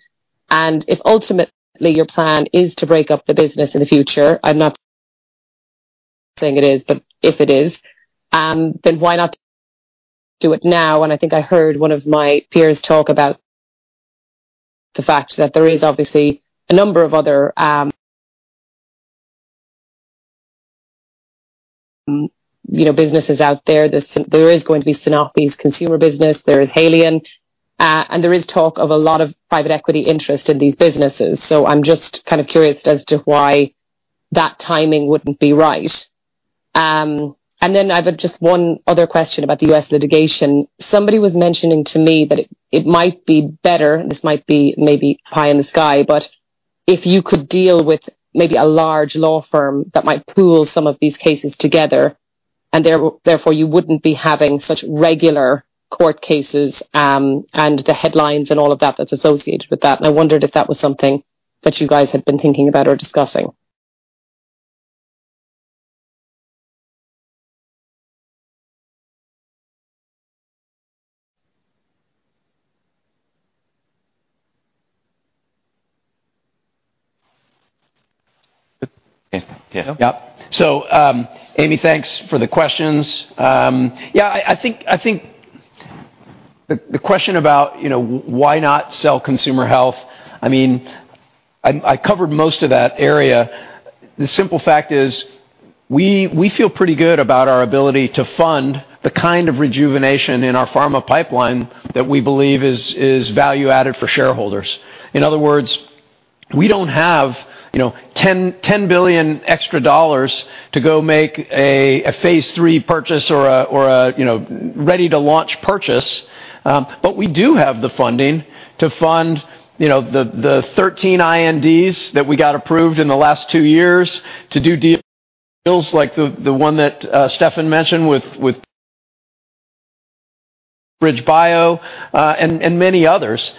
And if ultimately, your plan is to break up the business in the future, I'm not saying it is. But if it is, then why not do it now? And I think I heard one of my peers talk about the fact that there is, obviously, a number of other businesses out there. There is going to be Sanofi's consumer business. There is Haleon. And there is talk of a lot of private equity interest in these businesses. So I'm just kind of curious as to why that timing wouldn't be right. And then I have just one other question about the U.S. litigation. Somebody was mentioning to me that it might be better and this might be maybe high in the sky, but if you could deal with maybe a large law firm that might pool some of these cases together, and therefore, you wouldn't be having such regular court cases and the headlines and all of that that's associated with that. And I wondered if that was something that you guys had been thinking about or discussing. Yeah. Yeah. So Aimee, thanks for the questions. Yeah. I think the question about why not sell Consumer Health. I mean, I covered most of that area. The simple fact is, we feel pretty good about our ability to fund the kind of rejuvenation in our pharma pipeline that we believe is value-added for shareholders. In other words, we don't have $10 billion extra to go make a phase III purchase or a ready-to-launch purchase. But we do have the funding to fund the 13 INDs that we got approved in the last two years to do deals like the one that Stephen mentioned with BridgeBio and many others.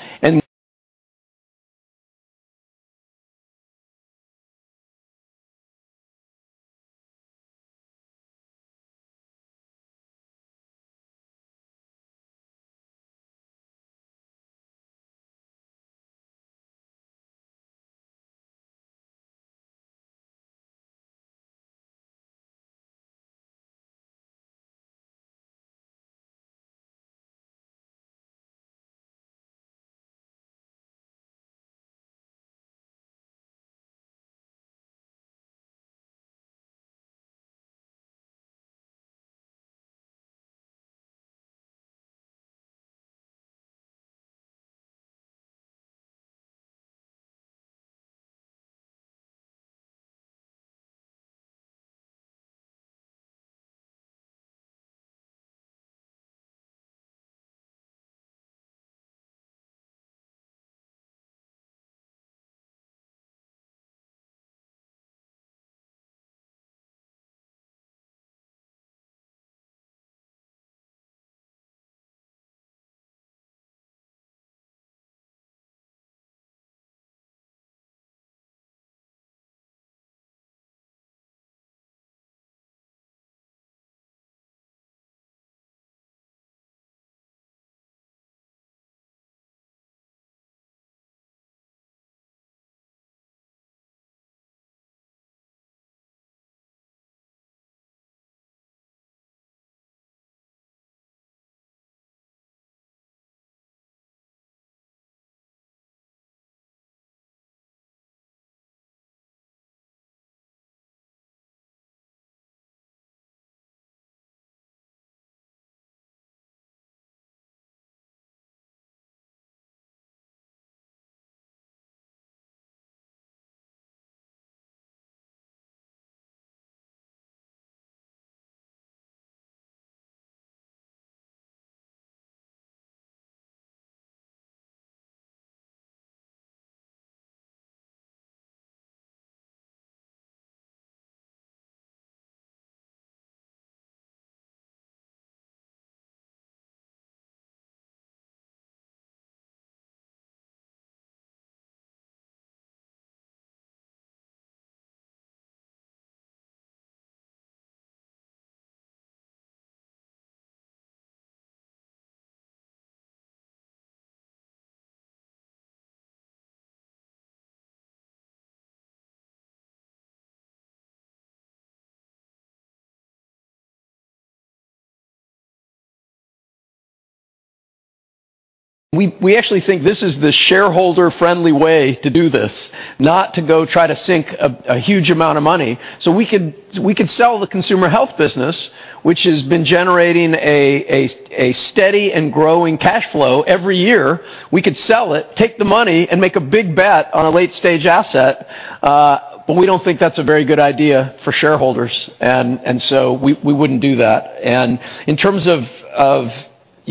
And we actually think this is the shareholder-friendly way to do this, not to go try to sink a huge amount of money. So we could sell the Consumer Health business, which has been generating a steady and growing cash flow every year. We could sell it, take the money, and make a big bet on a late-stage asset. But we don't think that's a very good idea for shareholders. And so we wouldn't do that. And in terms of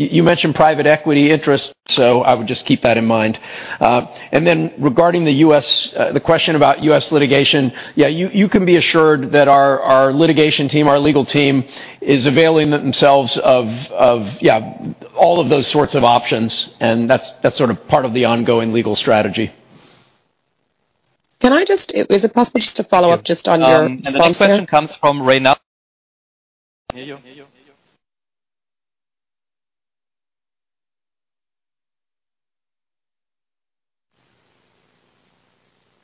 you mentioned private equity interest, so I would just keep that in mind. Then, regarding the question about U.S. litigation, yeah, you can be assured that our litigation team, our legal team, is availing themselves of, yeah, all of those sorts of options. That's sort of part of the ongoing legal strategy. Can I just is it possible just to follow up just on your phone screen? And this question comes from Reynald. Can you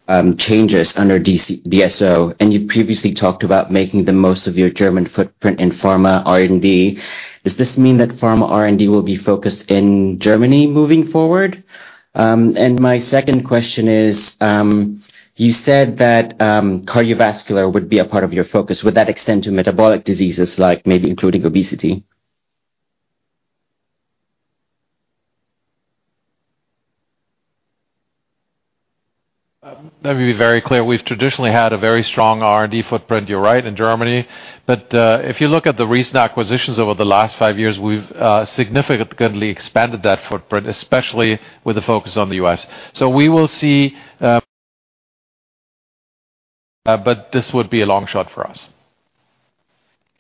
hear me? Changes under DSO. You previously talked about making the most of your German footprint in pharma R&D. Does this mean that pharma R&D will be focused in Germany moving forward? And my second question is, you said that cardiovascular would be a part of your focus. Would that extend to metabolic diseases, maybe including obesity? Let me be very clear. We've traditionally had a very strong R&D footprint, you're right, in Germany. But if you look at the recent acquisitions over the last five years, we've significantly expanded that footprint, especially with a focus on the U.S. So we will see but this would be a long shot for us.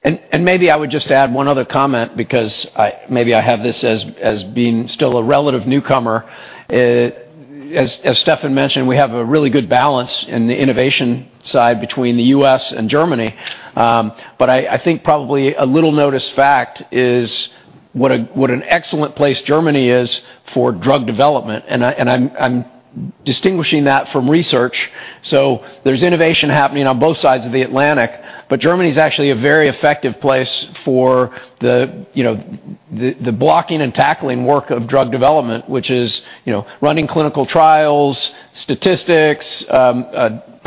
And maybe I would just add one other comment because maybe I have this as being still a relative newcomer. As Stephen mentioned, we have a really good balance in the innovation side between the U.S. and Germany. But I think probably a little noticed fact is what an excellent place Germany is for drug development. And I'm distinguishing that from research. So there's innovation happening on both sides of the Atlantic. But Germany's actually a very effective place for the blocking and tackling work of drug development, which is running clinical trials, statistics,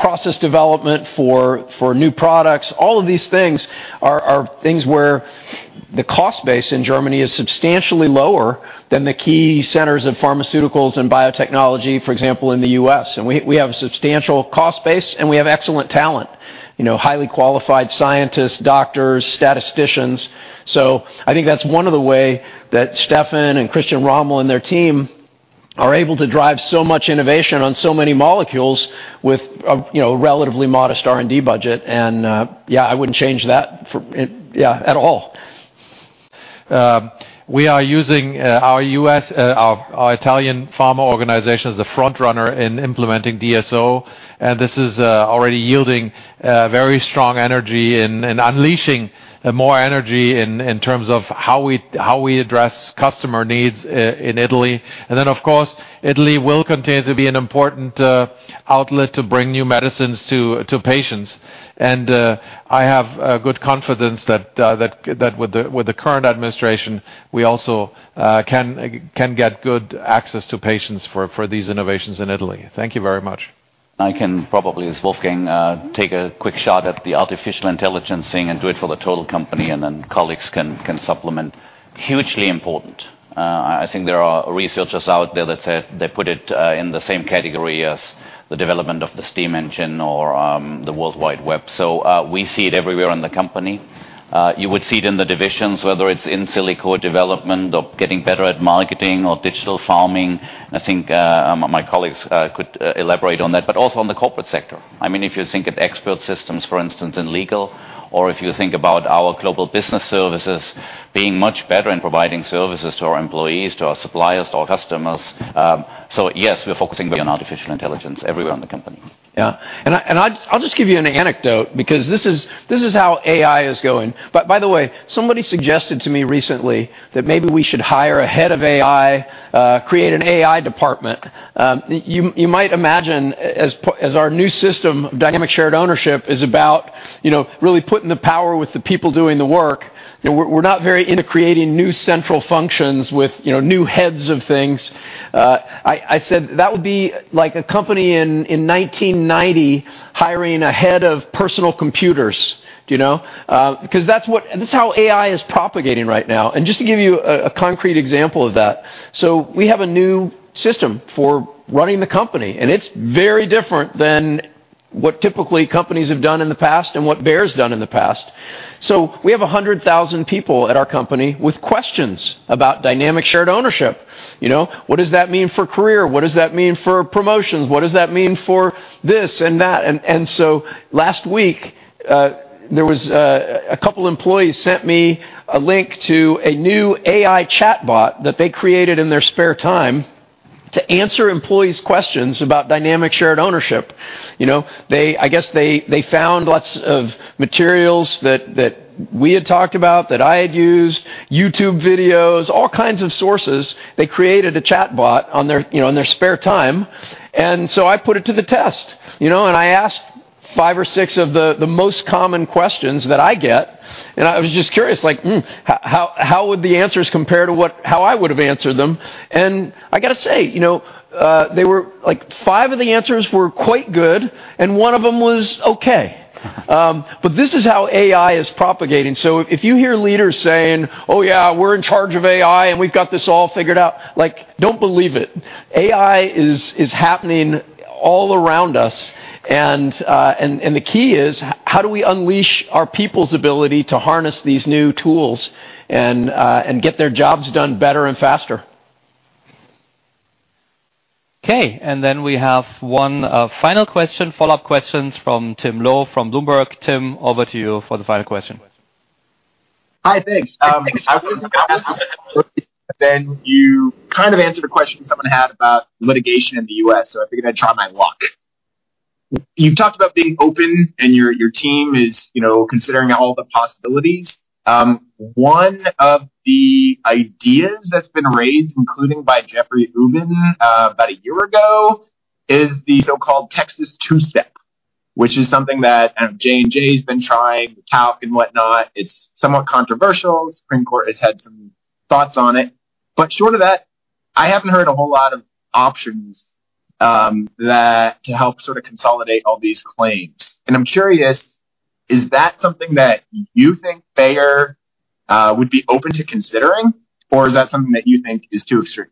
process development for new products. All of these things are things where the cost base in Germany is substantially lower than the key centers of Pharmaceuticals and biotechnology, for example, in the U.S. We have a substantial cost base. We have excellent talent, highly qualified scientists, doctors, statisticians. I think that's one of the ways that Stephen and Christian Rommel and their team are able to drive so much innovation on so many molecules with a relatively modest R&D budget. Yeah, I wouldn't change that, yeah, at all. We are using our Italian pharma organization as the frontrunner in implementing DSO. This is already yielding very strong energy and unleashing more energy in terms of how we address customer needs in Italy. Then, of course, Italy will continue to be an important outlet to bring new medicines to patients. I have good confidence that with the current administration, we also can get good access to patients for these innovations in Italy. Thank you very much. I can probably, as Wolfgang, take a quick shot at the artificial intelligence thing and do it for the total company. Then colleagues can supplement. Hugely important. I think there are researchers out there that put it in the same category as the development of the steam engine or the World Wide Web. So we see it everywhere in the company. You would see it in the divisions, whether it's in silico development or getting better at marketing or digital farming. I think my colleagues could elaborate on that. Also in the corporate sector. I mean, if you think at expert systems, for instance, in legal, or if you think about our global business services being much better in providing services to our employees, to our suppliers, to our customers. So yes, we're focusing on artificial intelligence everywhere in the company. Yeah. And I'll just give you an anecdote because this is how AI is going. But by the way, somebody suggested to me recently that maybe we should hire a head of AI, create an AI department. You might imagine, as our new system of Dynamic Shared Ownership is about really putting the power with the people doing the work, we're not very. Creating new central functions with new heads of things. I said that would be like a company in 1990 hiring a head of personal computers because that's how AI is propagating right now. Just to give you a concrete example of that, we have a new system for running the company. It's very different than what typically companies have done in the past and what Bayer's done in the past. We have 100,000 people at our company with questions about Dynamic Shared Ownership. What does that mean for career? What does that mean for promotions? What does that mean for this and that? Last week, a couple of employees sent me a link to a new AI chatbot that they created in their spare time to answer employees' questions about Dynamic Shared Ownership. I guess they found lots of materials that we had talked about, that I had used, YouTube videos, all kinds of sources. They created a chatbot on their spare time. I put it to the test. I asked five or six of the most common questions that I get. I was just curious, like, how would the answers compare to how I would have answered them? I got to say, five of the answers were quite good. One of them was okay. But this is how AI is propagating. So if you hear leaders saying, "Oh, yeah, we're in charge of AI. And we've got this all figured out," don't believe it. AI is happening all around us. The key is, how do we unleash our people's ability to harness these new tools and get their jobs done better and faster? Okay. Then we have one final question, follow-up questions from Tim Loh from Bloomberg. Tim, over to you for the final question. Hi. Thanks. I was going to ask a question. And then you kind of answered a question someone had about litigation in the U.S. So I figured I'd try my luck. You've talked about being open. And your team is considering all the possibilities. One of the ideas that's been raised, including by Jeffrey Ubben about a year ago, is the so-called Texas Two-Step, which is something that J&J's been trying, the LLC, and whatnot. It's somewhat controversial. The Supreme Court has had some thoughts on it. But short of that, I haven't heard a whole lot of options to help sort of consolidate all these claims. And I'm curious, is that something that you think Bayer would be open to considering? Or is that something that you think is too extreme?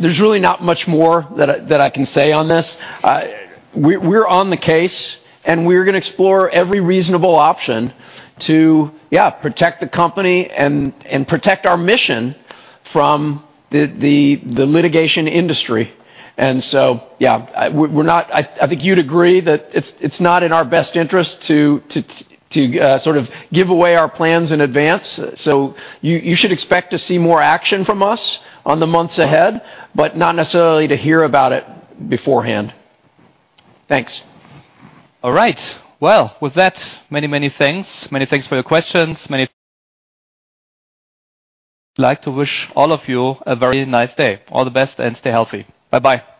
There's really not much more that I can say on this. We're on the case. And we're going to explore every reasonable option to, yeah, protect the company and protect our mission from the litigation industry. And so yeah, I think you'd agree that it's not in our best interest to sort of give away our plans in advance. So you should expect to see more action from us on the months ahead, but not necessarily to hear about it beforehand. Thanks. All right. Well, with that, many, many thanks. Many thanks for your questions. Many thanks. I'd like to wish all of you a very nice day. All the best. And stay healthy. Bye-bye.